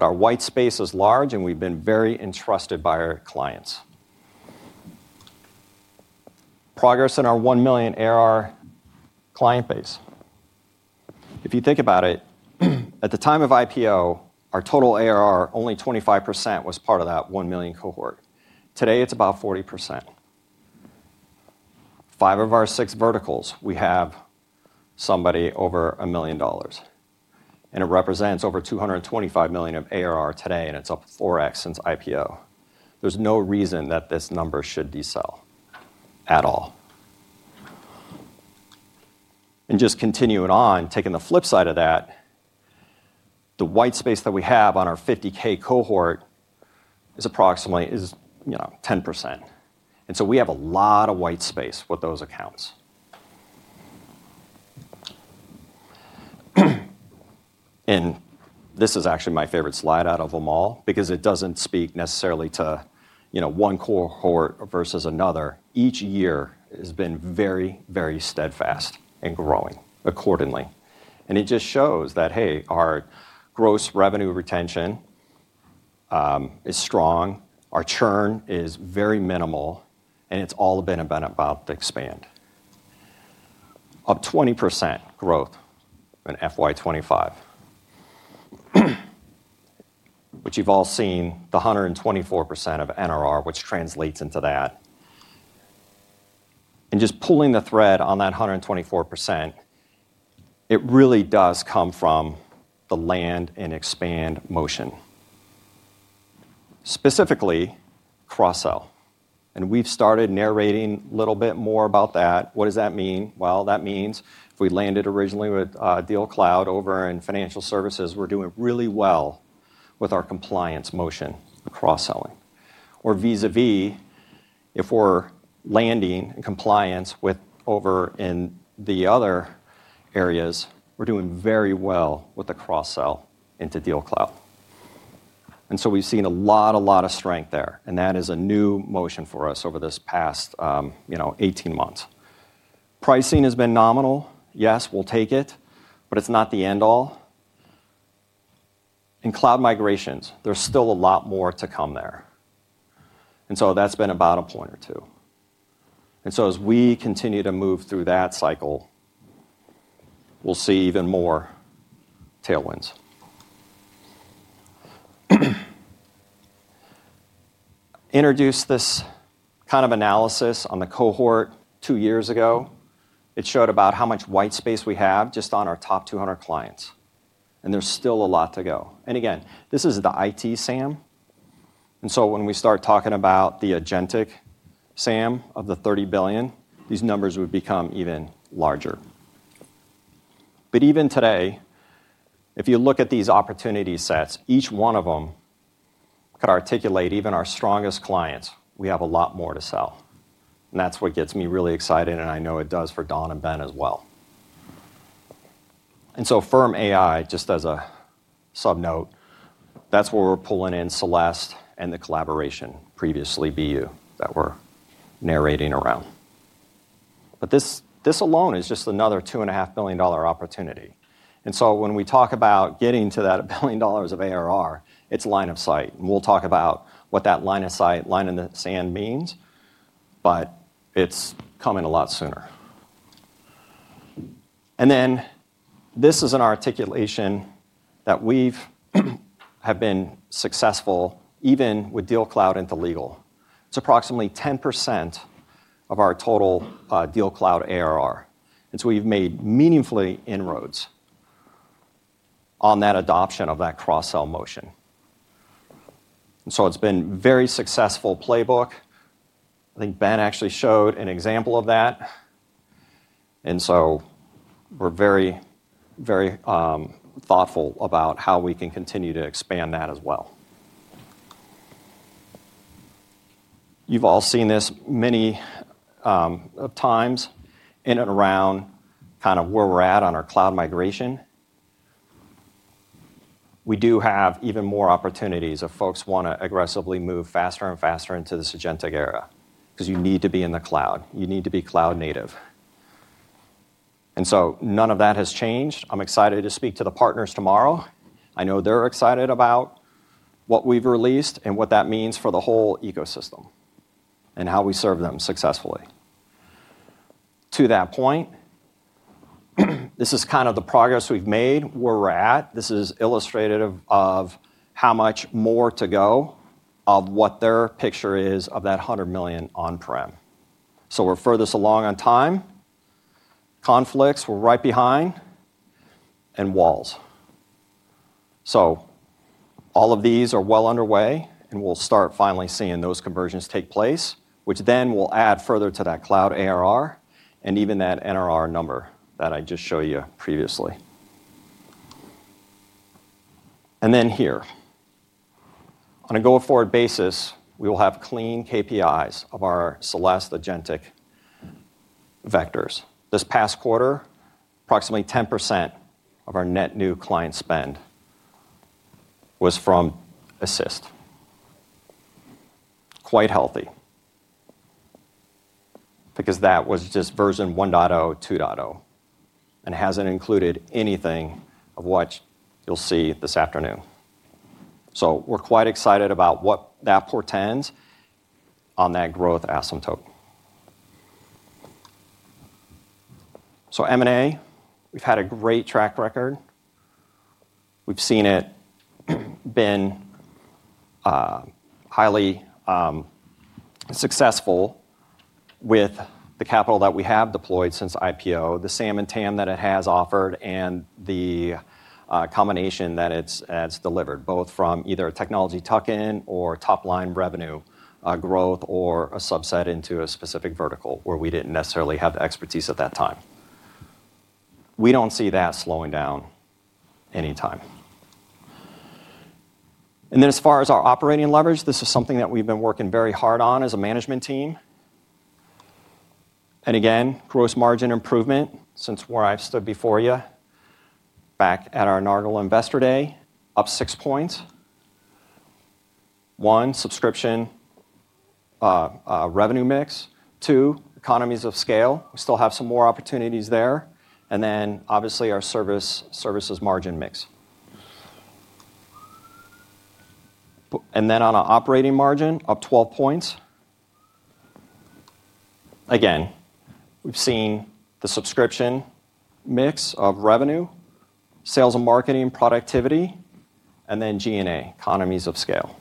Our white space is large, and we've been very entrusted by our clients. Progress in our $1 million ARR client base. If you think about it, at the time of IPO, our total ARR, only 25% was part of that $1 million cohort. Today, it's about 40%. five of our six verticals, we have somebody over $1 million, and it represents over $225 million of ARR today, and it's up 4x since IPO. There's no reason that this number should decel at all. Just continuing on, taking the flip side of that, the white space that we have on our $50K cohort is approximately, you know, 10%. We have a lot of white space with those accounts. This is actually my favorite slide out of them all, because it doesn't speak necessarily to, you know, one cohort versus another. Each year has been very, very steadfast and growing accordingly. It just shows that, hey, our gross revenue retention is strong, our churn is very minimal, and it's all been about to expand. Up 20% growth in FY25. Which you've all seen the 124% of NRR, which translates into that. Just pulling the thread on that 124%, it really does come from the land and expand motion. Specifically, cross-sell, and we've started narrating a little bit more about that. What does that mean? Well, that means if we landed originally with DealCloud over in financial services, we're doing really well with our compliance motion cross-selling. Vis-à-vis, if we're landing compliance with over in the other areas, we're doing very well with the cross-sell into DealCloud. We've seen a lot of strength there, and that is a new motion for us over this past, you know, 18 months. Pricing has been nominal. Yes, we'll take it, but it's not the end all. In cloud migrations, there's still a lot more to come there, that's been about a point or two. As we continue to move through that cycle, we'll see even more tailwinds. Introduced this kind of analysis on the cohort two years ago. It showed about how much white space we have just on our top 200 clients, there's still a lot to go. Again, this is the IT SAM. When we start talking about the Agentic SAM of the $30 billion, these numbers would become even larger. Even today, if you look at these opportunity sets, each one of them could articulate even our strongest clients. We have a lot more to sell, and that's what gets me really excited, and I know it does for Don and Ben as well. Firm AI, just as a sub-note, that's where we're pulling in Celeste and the collaboration, previously BU, that we're narrating around. This alone is just another two and a half billion dollar opportunity. When we talk about getting to that $1 billion of ARR, it's line of sight. We'll talk about what that line of sight, line in the sand means, but it's coming a lot sooner. This is an articulation that we have been successful even with Deal Cloud into legal. It's approximately 10% of our total Deal Cloud ARR. We've made meaningfully inroads on that adoption of that cross-sell motion. It's been very successful playbook. I think Ben actually showed an example of that. We're very, very thoughtful about how we can continue to expand that as well. You've all seen this many times in and around kind of where we're at on our cloud migration. We do have even more opportunities if folks wanna aggressively move faster and faster into this Agentic era, because you need to be in the cloud. You need to be cloud native. None of that has changed. I'm excited to speak to the partners tomorrow. I know they're excited about what we've released and what that means for the whole ecosystem, and how we serve them successfully. To that point, this is kind of the progress we've made, where we're at. This is illustrative of how much more to go, of what their picture is of that $100 million on-prem. We're furthest along on time. Conflicts, we're right behind, and walls. All of these are well underway, and we'll start finally seeing those conversions take place, which then will add further to that cloud ARR and even that NRR number that I just showed you previously. Then here. On a go-forward basis, we will have clean KPIs of our Celeste Agentic vectors. This past quarter, approximately 10% of our net new client spend was from Assist. Quite healthy, because that was just version 1.0, 2.0, and hasn't included anything of what you'll see this afternoon. We're quite excited about what that portends on that growth asymptote. M&A, we've had a great track record. We've seen it been highly successful with the capital that we have deployed since IPO, the SAM and TAM that it has offered, and the combination that it's delivered, both from either a technology tuck-in or top-line revenue growth, or a subset into a specific vertical where we didn't necessarily have the expertise at that time. We don't see that slowing down anytime. As far as our operating leverage, this is something that we've been working very hard on as a management team. Again, gross margin improvement since where I've stood before you, back at our inaugural Investor Day, up 6 points. One, subscription revenue mix. Two, economies of scale, we still have some more opportunities there. Obviously, our services margin mix. On our operating margin, up 12 points. We've seen the subscription mix of revenue, sales and marketing productivity, and then G&A, economies of scale.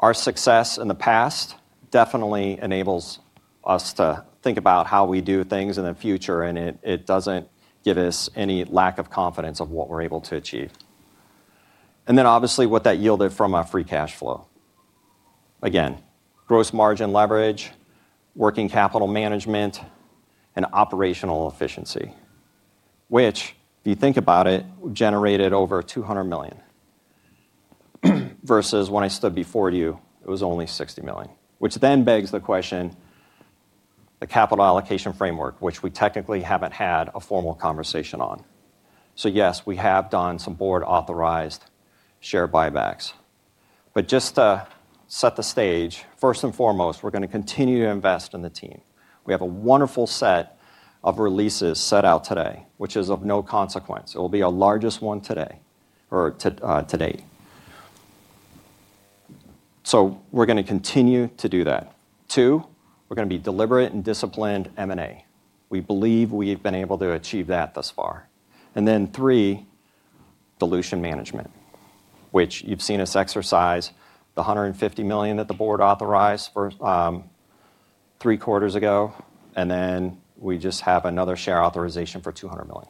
Our success in the past definitely enables us to think about how we do things in the future, and it doesn't give us any lack of confidence of what we're able to achieve. Obviously, what that yielded from our free cash flow. Gross margin leverage, working capital management, and operational efficiency, which, if you think about it, generated over $200 million, versus when I stood before you, it was only $60 million. Which then begs the question, the capital allocation framework, which we technically haven't had a formal conversation on. Yes, we have done some board-authorized share buybacks. Just to set the stage, first and foremost, we're gonna continue to invest in the team. We have a wonderful set of releases set out today, which is of no consequence. It will be our largest one today or to date. We're going to continue to do that. Two, we're going to be deliberate and disciplined M&A. We believe we've been able to achieve that thus far. Three, dilution management, which you've seen us exercise the $150 million that the board authorized for 3 quarters ago, we just have another share authorization for $200 million.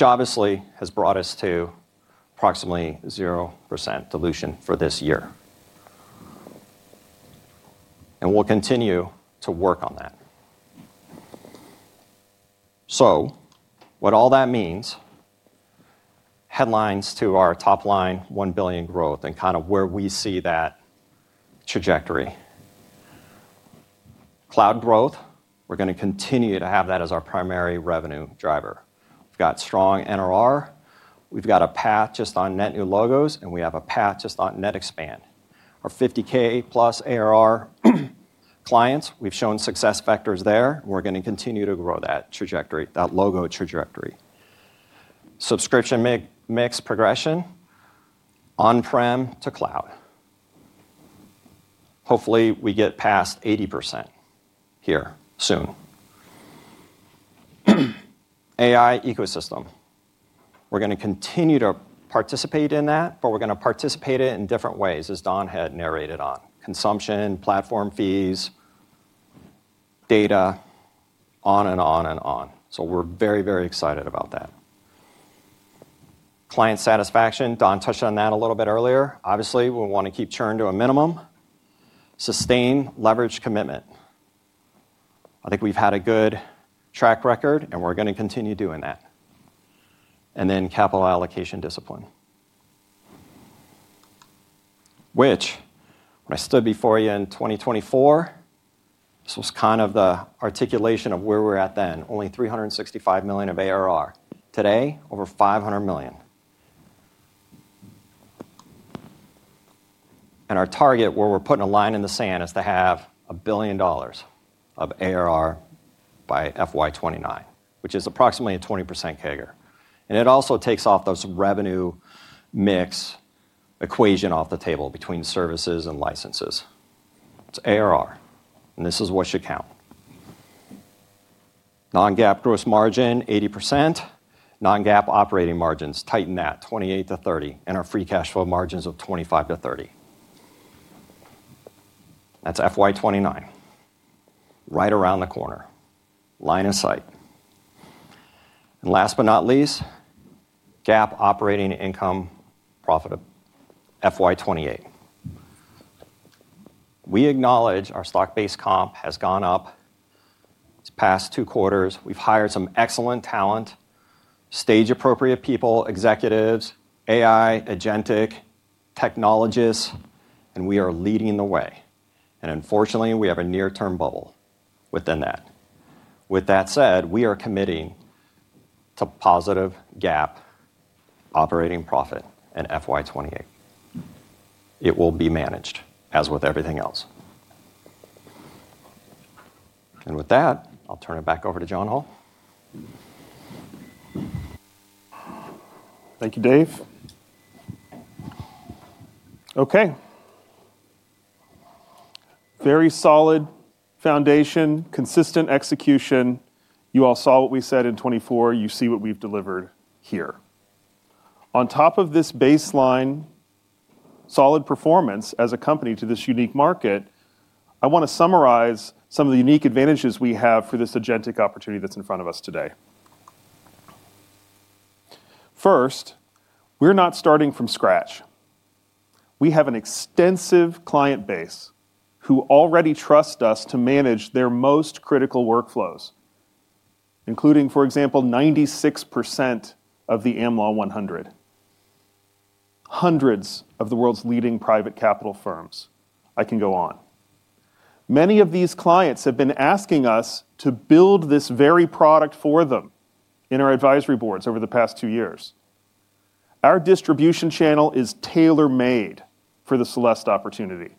Obviously has brought us to approximately 0% dilution for this year. We'll continue to work on that. What all that means, headlines to our top line, $1 billion growth, and kind of where we see that trajectory. Cloud growth, we're going to continue to have that as our primary revenue driver. We've got strong NRR, we've got a path just on net new logos, and we have a path just on net expand. Our 50k plus ARR clients, we've shown success factors there, and we're going to continue to grow that trajectory, that logo trajectory. Subscription mix progression, on-prem to cloud. Hopefully, we get past 80% here soon. AI ecosystem. We're going to continue to participate in that, but we're going to participate it in different ways, as Don had narrated on: consumption, platform fees, data, on and on and on. We're very, very excited about that. Client satisfaction, Don touched on that a little bit earlier. Obviously, we'll want to keep churn to a minimum, sustain leverage commitment. I think we've had a good track record, and we're going to continue doing that. Capital allocation discipline. When I stood before you in 2024, this was kind of the articulation of where we were at then, only $365 million of ARR. Today, over $500 million. Our target, where we're putting a line in the sand, is to have $1 billion of ARR by FY29, which is approximately a 20% CAGR. It also takes off those revenue mix equation off the table between services and licenses. It's ARR, and this is what should count. non-GAAP gross margin, 80%. non-GAAP operating margins, tighten that, 28%-30%, and our free cash flow margins of 25%-30%. That's FY29, right around the corner, line of sight. Last but not least, GAAP operating income profitable, FY28. We acknowledge our stock-based comp has gone up this past 2 quarters. We've hired some excellent talent, stage-appropriate people, executives, AI, Agentic, technologists, and we are leading the way. Unfortunately, we have a near-term bubble within that. With that said, we are committing to positive GAAP operating profit in FY28. It will be managed, as with everything else. With that, I'll turn it back over to John Hall. Thank you, Dave. Okay. Very solid foundation, consistent execution. You all saw what we said in 2024, you see what we've delivered here. On top of this baseline, solid performance as a company to this unique market, I want to summarize some of the unique advantages we have for this Agentic Opportunity that's in front of us today. First, we're not starting from scratch. We have an extensive client base who already trust us to manage their most critical workflows, including, for example, 96% of the Am Law 100. Hundreds of the world's leading private capital firms. I can go on. Many of these clients have been asking us to build this very product for them in our advisory boards over the past 2 years. Our distribution channel is tailor-made for the Celeste opportunity,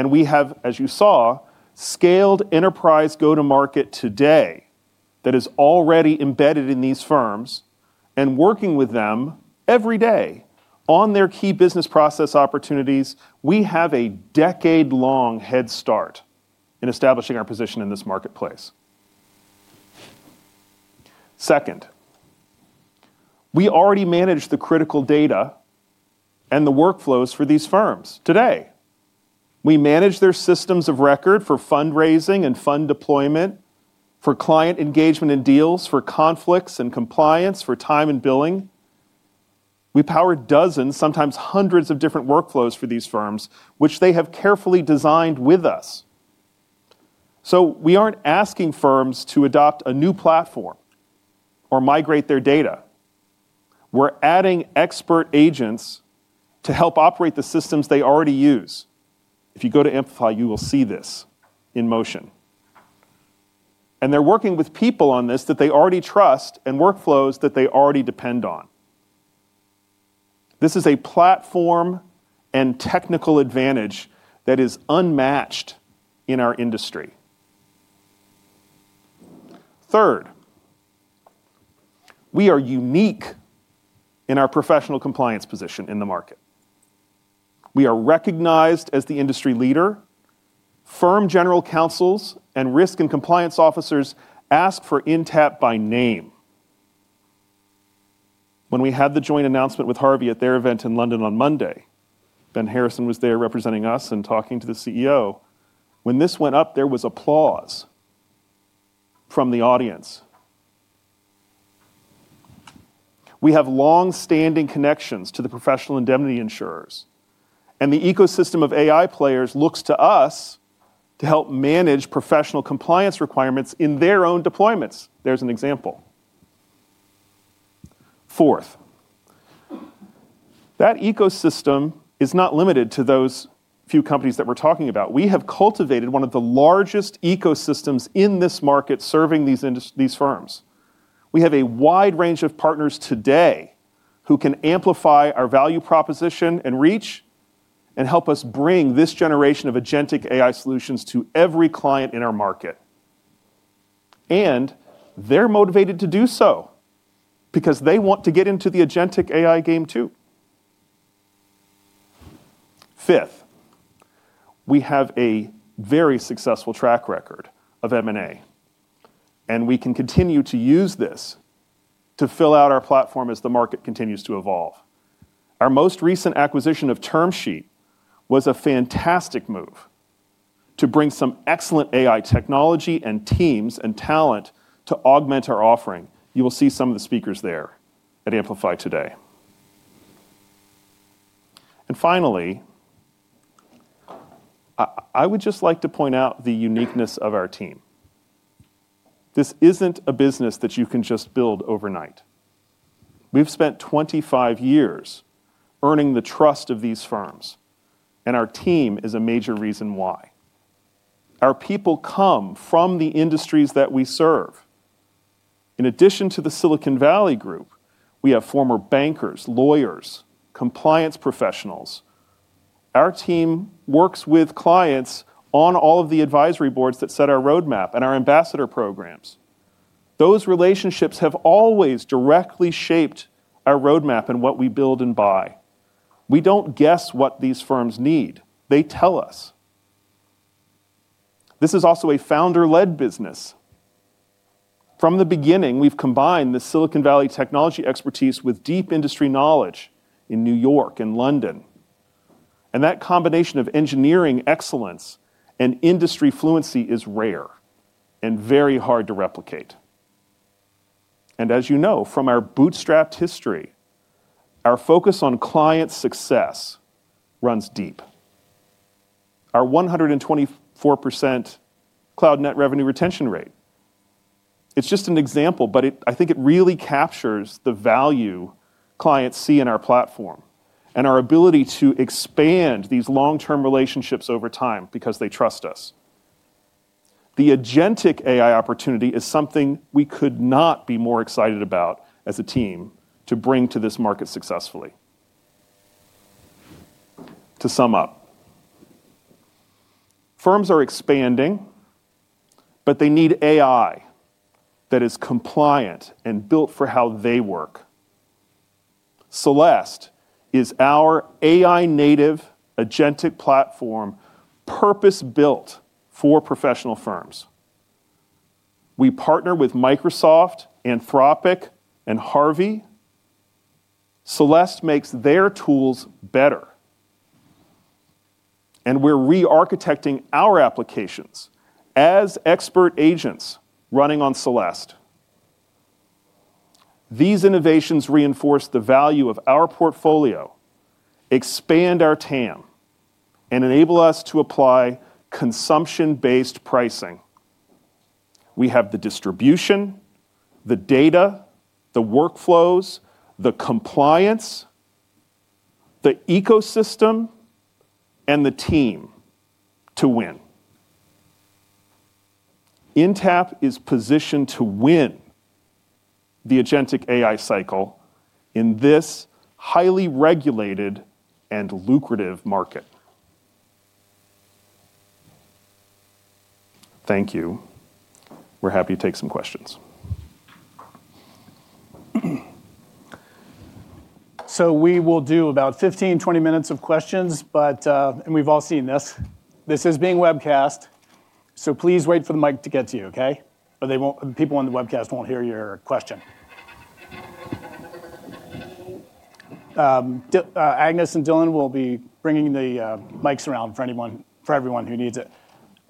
and we have, as you saw, scaled enterprise go-to-market today that is already embedded in these firms and working with them every day on their key business process opportunities. We have a decade-long head start in establishing our position in this marketplace. Second, we already manage the critical data and the workflows for these firms today. We manage their systems of record for fundraising and fund deployment, for client engagement and deals, for conflicts and compliance, for time and billing. We power dozens, sometimes hundreds of different workflows for these firms, which they have carefully designed with us. We aren't asking firms to adopt a new platform or migrate their data. We're adding expert agents to help operate the systems they already use. If you go to Amplify, you will see this in motion. They're working with people on this that they already trust and workflows that they already depend on. This is a platform and technical advantage that is unmatched in our industry. Third, we are unique in our professional compliance position in the market. We are recognized as the industry leader. Firm general counsels and risk and compliance officers ask for Intapp by name. When we had the joint announcement with Harvey at their event in London on Monday, Ben Harrison was there representing us and talking to the CEO. When this went up, there was applause from the audience. We have long-standing connections to the professional indemnity insurers, and the ecosystem of AI players looks to us to help manage professional compliance requirements in their own deployments. There's an example. Fourth, that ecosystem is not limited to those few companies that we're talking about. We have cultivated one of the largest ecosystems in this market, serving these firms. We have a wide range of partners today who can amplify our value, proposition, and reach and help us bring this generation of Agentic AI solutions to every client in our market. They're motivated to do so because they want to get into the Agentic AI game, too. Fifth, we have a very successful track record of M&A, and we can continue to use this to fill out our platform as the market continues to evolve. Our most recent acquisition of TermSheet was a fantastic move to bring some excellent AI technology and teams and talent to augment our offering. You will see some of the speakers there at Amplify today. Finally, I would just like to point out the uniqueness of our team. This isn't a business that you can just build overnight. We've spent 25 years earning the trust of these firms, and our team is a major reason why. Our people come from the industries that we serve. In addition to the Silicon Valley group, we have former bankers, lawyers, compliance professionals. Our team works with clients on all of the advisory boards that set our roadmap and our ambassador programs. Those relationships have always directly shaped our roadmap and what we build and buy. We don't guess what these firms need, they tell us. This is also a founder-led business. From the beginning, we've combined the Silicon Valley technology expertise with deep industry knowledge in New York and London, and that combination of engineering excellence and industry fluency is rare and very hard to replicate. As you know from our bootstrapped history, our focus on client success runs deep. Our 124% cloud net revenue retention rate, it's just an example, but I think it really captures the value clients see in our platform and our ability to expand these long-term relationships over time because they trust us. The Agentic AI Opportunity is something we could not be more excited about as a team to bring to this market successfully. To sum up, firms are expanding, but they need AI that is compliant and built for how they work. Celeste is our AI-native Agentic platform, purpose-built for professional firms. We partner with Microsoft, Anthropic, and Harvey. Celeste makes their tools better, and we're re-architecting our applications as expert agents running on Celeste. These innovations reinforce the value of our portfolio, expand our TAM, and enable us to apply consumption-based pricing. We have the distribution, the data, the workflows, the compliance, the ecosystem, and the team to win. Intapp is positioned to win the Agentic AI cycle in this highly regulated and lucrative market. Thank you. We're happy to take some questions. We will do about 15, 20 minutes of questions, but we've all seen this. This is being webcast, so please wait for the mic to get to you, okay? The people on the webcast won't hear your question. Agnes and Dylan will be bringing the mics around for everyone who needs it.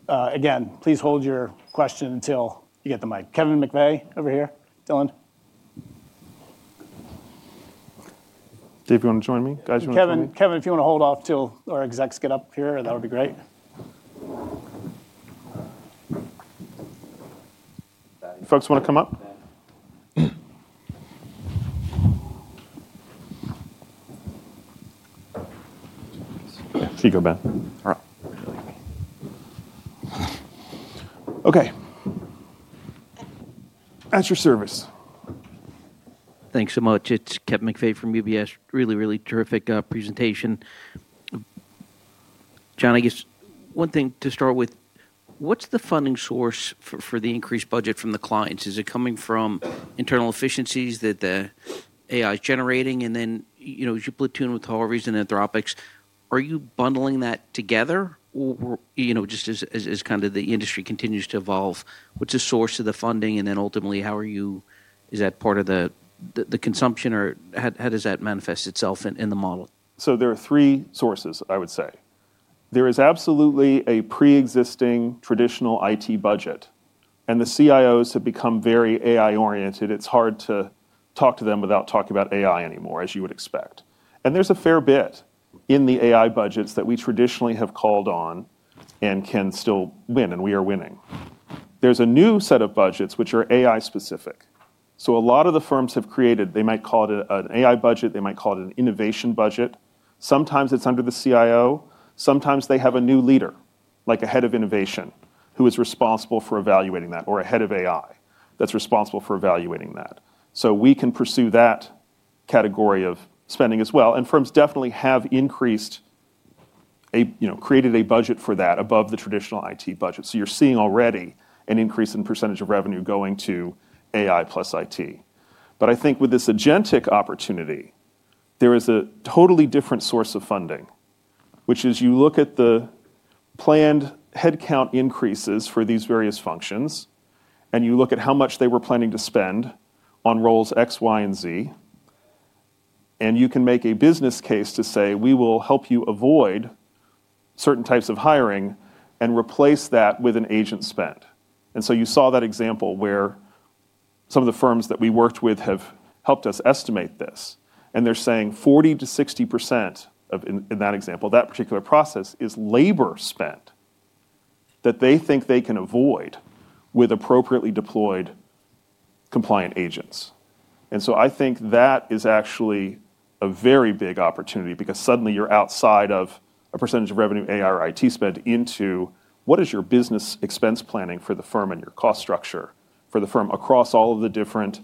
Again, please hold your question until you get the mic. Kevin McVeigh over here. Dylan. Do you want to join me? Guys, you want to join me? Kevin, if you want to hold off till our execs get up here, that would be great. You folks want to come up? You go, Ben. All right. Okay. At your service. Thanks so much. It's Kevin McVeigh from UBS. Really terrific presentation. John, I guess one thing to start with, what's the funding source for the increased budget from the clients? Is it coming from internal efficiencies that the AI is generating? Then, you know, as you platoon with Harvey's and Anthropic's, are you bundling that together? You know, just as kind of the industry continues to evolve, what's the source of the funding, and then ultimately, is that part of the consumption, or how does that manifest itself in the model? There are three sources, I would say. There is absolutely a preexisting traditional IT budget, and the CIOs have become very AI-oriented. It's hard to talk to them without talking about AI anymore, as you would expect. There's a fair bit in the AI budgets that we traditionally have called on and can still win, and we are winning. There's a new set of budgets which are AI-specific. A lot of the firms have created, they might call it an AI budget, they might call it an innovation budget. Sometimes it's under the CIO, sometimes they have a new leader, like a head of innovation, who is responsible for evaluating that, or a head of AI that's responsible for evaluating that. We can pursue that category of spending as well. Firms definitely have, you know, created a budget for that above the traditional IT budget. You're seeing already an increase in percentage of revenue going to AI plus IT. I think with this Agentic opportunity, there is a totally different source of funding, which is you look at the planned headcount increases for these various functions, and you look at how much they were planning to spend on roles X, Y, and Z, and you can make a business case to say: We will help you avoid certain types of hiring and replace that with an agent spend. You saw that example where some of the firms that we worked with have helped us estimate this, and they're saying 40%-60% of, in that example, that particular process, is labor spent that they think they can avoid with appropriately deployed compliant agents. I think that is actually a very big opportunity because suddenly you're outside of a percentage of revenue, AI or IT spend, into what is your business expense planning for the firm and your cost structure for the firm across all of the different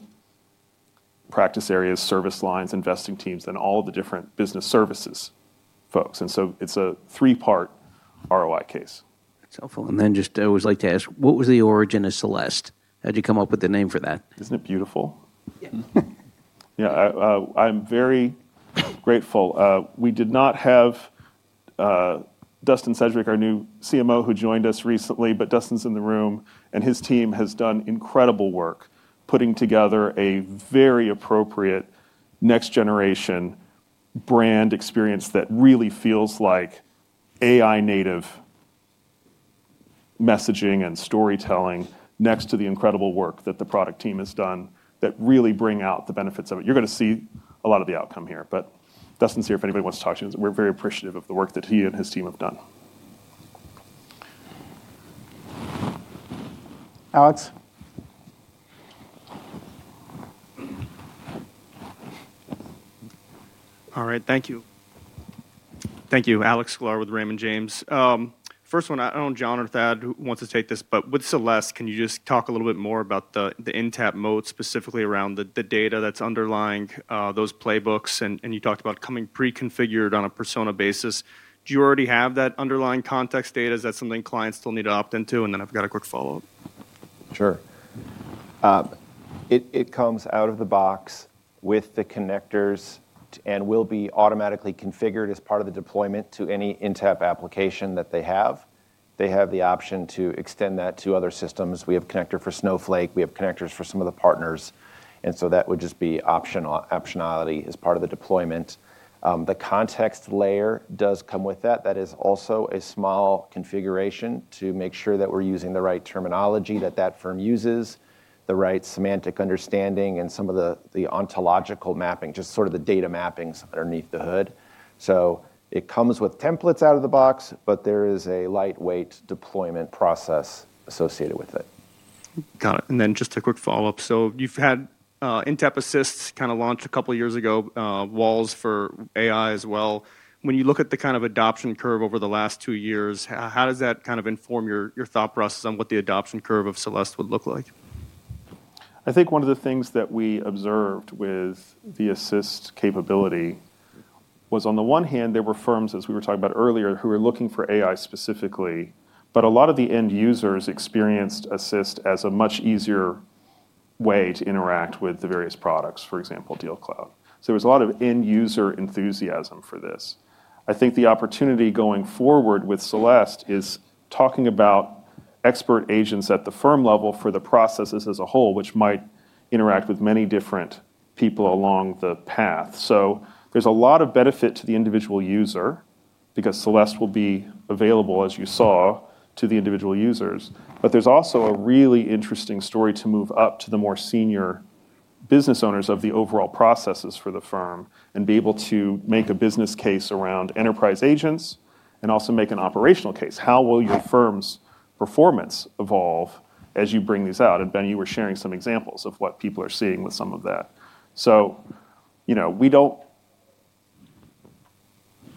practice areas, service lines, investing teams, and all of the different business services folks. It's a three-part ROI case. That's helpful. Then just, I always like to ask, what was the origin of Celeste? How'd you come up with the name for that? Isn't it beautiful? Yeah. I'm very grateful. We did not have Dustin Sedgwick, our new CMO, who joined us recently, but Dustin's in the room, and his team has done incredible work putting together a very appropriate next-generation brand experience that really feels like AI native messaging and storytelling next to the incredible work that the product team has done that really bring out the benefits of it. You're gonna see a lot of the outcome here, but Dustin's here if anybody wants to talk to him. We're very appreciative of the work that he and his team have done. Alex? All right. Thank you. Thank you. Alex Sklar with Raymond James. First one, I don't know if John or Thad wants to take this, but with Celeste, can you just talk a little bit more about the Intapp mode, specifically around the data that's underlying those playbooks? You talked about coming pre-configured on a persona basis. Do you already have that underlying context data? Is that something clients still need to opt into? I've got a quick follow-up. Sure. It comes out of the box with the connectors and will be automatically configured as part of the deployment to any Intapp application that they have. They have the option to extend that to other systems. We have connector for Snowflake, we have connectors for some of the partners, and so that would just be optionality as part of the deployment. The context layer does come with that. That is also a small configuration to make sure that we're using the right terminology that that firm uses, the right semantic understanding, and some of the ontological mapping, just sort of the data mappings underneath the hood. So it comes with templates out of the box, but there is a lightweight deployment process associated with it. Got it. Just a quick follow-up. You've had Intapp Assist kind of launch 2 years ago, Walls for AI as well. When you look at the kind of adoption curve over the last 2 years, how does that kind of inform your thought process on what the adoption curve of Celeste would look like? I think one of the things that we observed with the Intapp Assist capability was, on the one hand, there were firms, as we were talking about earlier, who were looking for AI specifically, but a lot of the end users experienced Intapp Assist as a much easier way to interact with the various products, for example, DealCloud. There was a lot of end-user enthusiasm for this. I think the opportunity going forward with Celeste is talking about expert agents at the firm level for the processes as a whole, which might interact with many different people along the path. There's a lot of benefit to the individual user because Celeste will be available, as you saw, to the individual users. There's also a really interesting story to move up to the more senior business owners of the overall processes for the firm and be able to make a business case around enterprise agents and also make an operational case. How will your firm's performance evolve as you bring these out? Ben, you were sharing some examples of what people are seeing with some of that. You know, we don't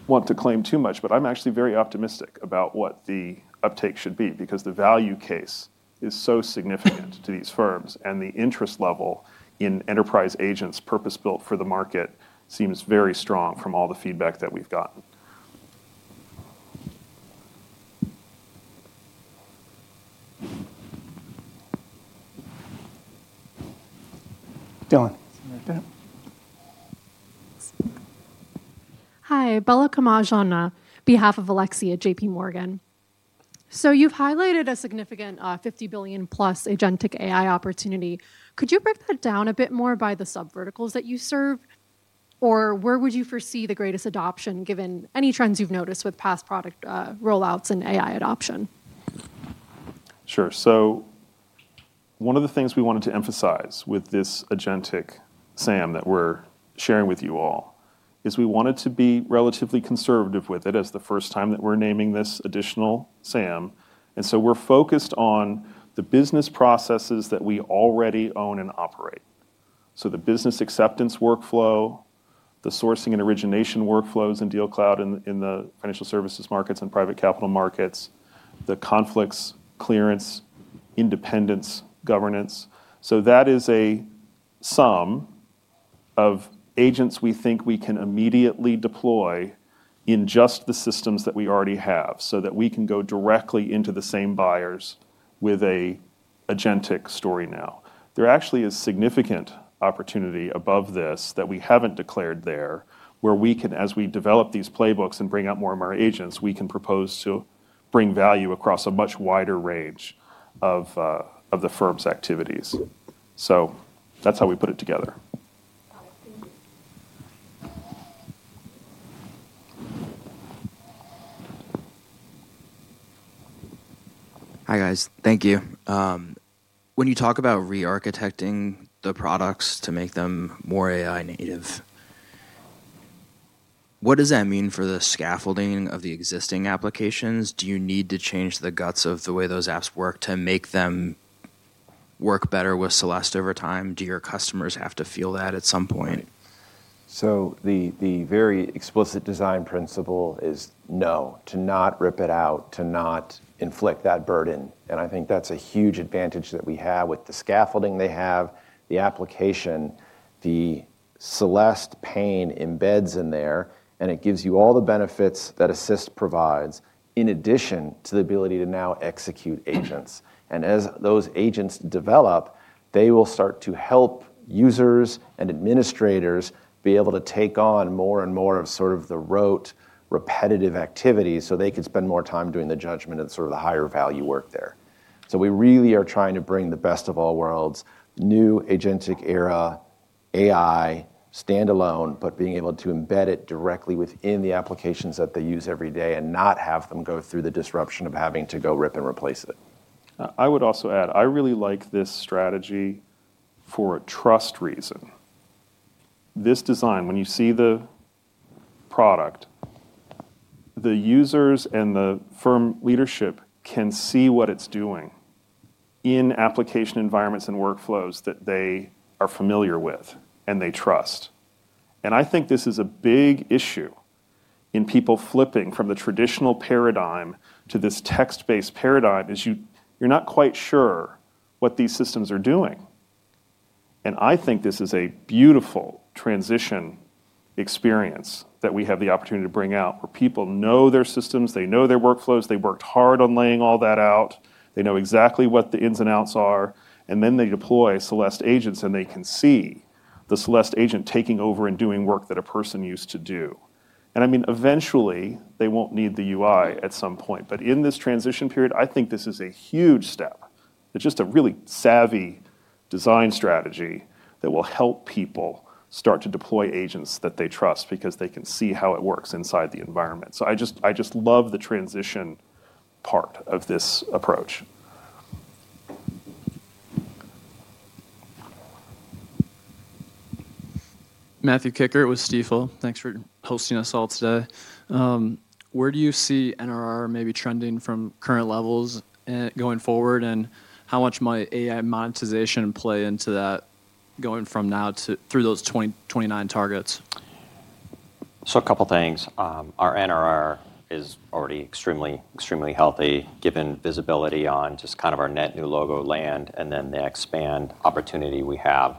want to claim too much, but I'm actually very optimistic about what the uptake should be, because the value case is so significant to these firms, and the interest level in enterprise agents purpose-built for the market seems very strong from all the feedback that we've gotten. Hi, Bella Camaj on behalf of Alexei Gogolev, J.P. Morgan. You've highlighted a significant, $50 billion-plus Agentic AI Opportunity. Could you break that down a bit more by the subverticals that you serve? Where would you foresee the greatest adoption, given any trends you've noticed with past product rollouts and AI adoption? Sure. One of the things we wanted to emphasize with this Agentic SAM that we're sharing with you all is we wanted to be relatively conservative with it as the first time that we're naming this additional SAM. We're focused on the business processes that we already own and operate. The business acceptance workflow, the sourcing and origination workflows in DealCloud, in the financial services markets and private capital markets, the conflicts, clearance, independence, governance. That is a sum of agents we think we can immediately deploy in just the systems that we already have, so that we can go directly into the same buyers with a Agentic story now. There actually is significant opportunity above this that we haven't declared there, where we can, as we develop these playbooks and bring out more of our agents, we can propose to bring value across a much wider range of the firm's activities. That's how we put it together. Thank you. Hi, guys. Thank you. When you talk about rearchitecting the products to make them more AI native, what does that mean for the scaffolding of the existing applications? Do you need to change the guts of the way those apps work to make them work better with Celeste over time? Do your customers have to feel that at some point? The, the very explicit design principle is no, to not rip it out, to not inflict that burden, and I think that's a huge advantage that we have. With the scaffolding they have, the application, the Celeste pane embeds in there, and it gives you all the benefits that Assist provides, in addition to the ability to now execute agents. As those agents develop, they will start to help users and administrators be able to take on more and more of sort of the rote, repetitive activities, so they can spend more time doing the judgment and sort of the higher value work there. We really are trying to bring the best of all worlds, new Agentic Era, AI, standalone, but being able to embed it directly within the applications that they use every day and not have them go through the disruption of having to go rip and replace it. I would also add, I really like this strategy for a trust reason. This design, when you see the product, the users and the firm leadership can see what it's doing in application environments and workflows that they are familiar with and they trust. I think this is a big issue in people flipping from the traditional paradigm to this text-based paradigm, is you're not quite sure what these systems are doing. I think this is a beautiful transition experience that we have the opportunity to bring out, where people know their systems, they know their workflows, they worked hard on laying all that out. They know exactly what the ins and outs are, and then they deploy Celeste agents, and they can see the Celeste agent taking over and doing work that a person used to do. I mean, eventually, they won't need the UI at some point, but in this transition period, I think this is a huge step. It's just a really savvy design strategy that will help people start to deploy agents that they trust because they can see how it works inside the environment. I just love the transition part of this approach. Matthew Kikkert with Stifel. Thanks for hosting us all today. Where do you see NRR maybe trending from current levels going forward, and how much might AI monetization play into that, going from now through those 2029 targets? A couple things. Our NRR is already extremely healthy, given visibility on just kind of our net new logo land and then the expand opportunity we have.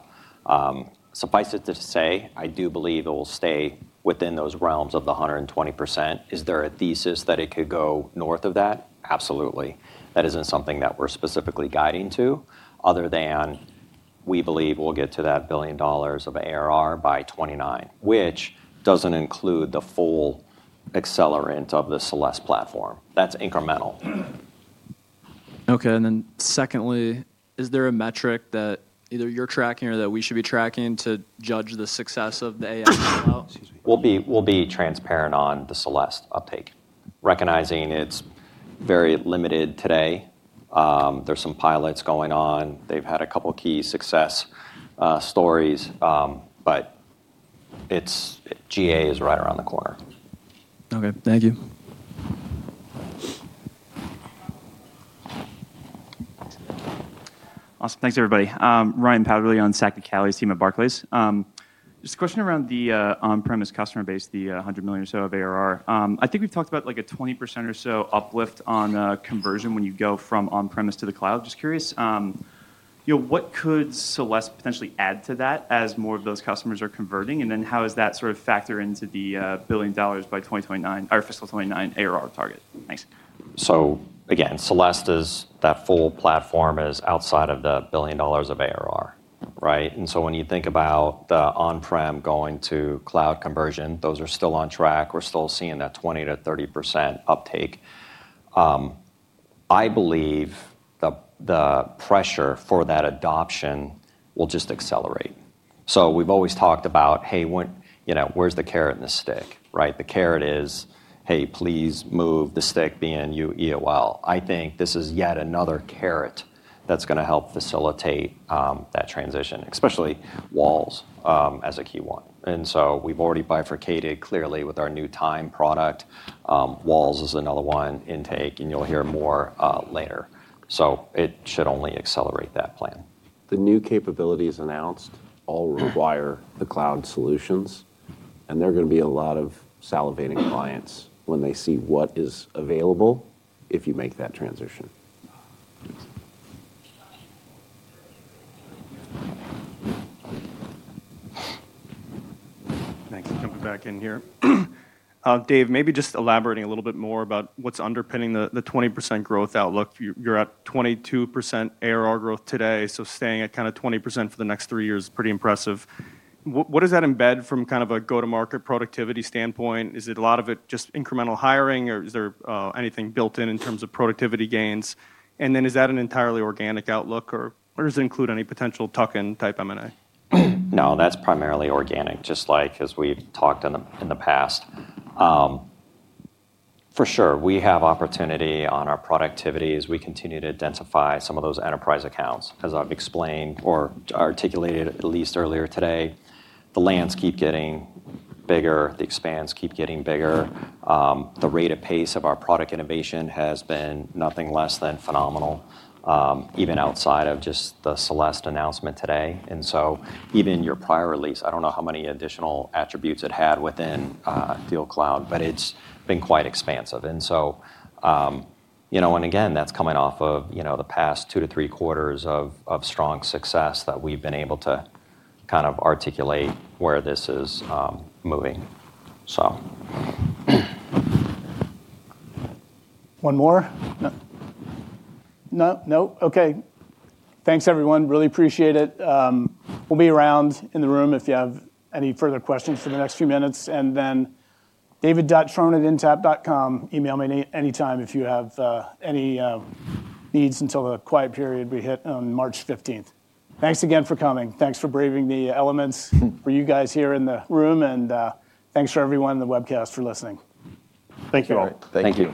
Suffice it to say, I do believe it will stay within those realms of the 120%. Is there a thesis that it could go north of that? Absolutely. That isn't something that we're specifically guiding to, other than we believe we'll get to that $1 billion of ARR by 2029, which doesn't include the full accelerant of the Celeste platform. That's incremental. Okay, secondly, is there a metric that either you're tracking or that we should be tracking to judge the success of the AI? Excuse me. We'll be transparent on the Celeste uptake, recognizing it's very limited today. There's some pilots going on. They've had a couple of key success stories. GA is right around the corner. Okay, thank you. Awesome. Thanks, everybody. Ryan Powderly on Saket Kalia's team at Barclays. Just a question around the on-premise customer base, the $100 million or so of ARR. I think we've talked about, like, a 20% or so uplift on conversion when you go from on-premise to the cloud. Just curious, you know, what could Celeste potentially add to that as more of those customers are converting? How does that sort of factor into the $1 billion by 2029 or FY29 ARR target? Thanks. Again, Celeste is... That full platform is outside of the $1 billion of ARR, right? When you think about the on-prem going to cloud conversion, those are still on track. We're still seeing that 20%-30% uptake. I believe the pressure for that adoption will just accelerate. We've always talked about, hey, you know, where's the carrot and the stick, right? The carrot is, "Hey, please move," the stick being EOL. I think this is yet another carrot that's gonna help facilitate that transition, especially Walls, as a key one. We've already bifurcated clearly with our new Time product. Walls is another one, Intake, and you'll hear more later. It should only accelerate that plan. The new capabilities announced all require the cloud solutions, and there are gonna be a lot of salivating clients when they see what is available if you make that transition. Thanks. Jumping back in here. Dave, maybe just elaborating a little bit more about what's underpinning the 20% growth outlook. You're at 22% ARR growth today, so staying at kinda 20% for the next 3 years is pretty impressive. What does that embed from kind of a go-to-market productivity standpoint? Is it a lot of it just incremental hiring, or is there anything built in in terms of productivity gains? Is that an entirely organic outlook, or does it include any potential tuck-in type M&A? No, that's primarily organic, just like as we've talked in the, in the past. For sure, we have opportunity on our productivity as we continue to densify some of those enterprise accounts. As I've explained or articulated at least earlier today, the lands keep getting bigger, the expands keep getting bigger. The rate of pace of our product innovation has been nothing less than phenomenal, even outside of just the Celeste announcement today. Even your prior release, I don't know how many additional attributes it had within DealCloud, but it's been quite expansive. You know, and again, that's coming off of, you know, the past two to three quarters of strong success that we've been able to kind of articulate where this is moving. One more? No. No, no? Okay. Thanks, everyone. Really appreciate it. We'll be around in the room if you have any further questions for the next few minutes. david.morton@intapp.com, email me any, anytime if you have any needs until the quiet period we hit on March 15th. Thanks again for coming. Thanks for braving the elements for you guys here in the room, and thanks for everyone in the webcast for listening. Thank you all. Thank you.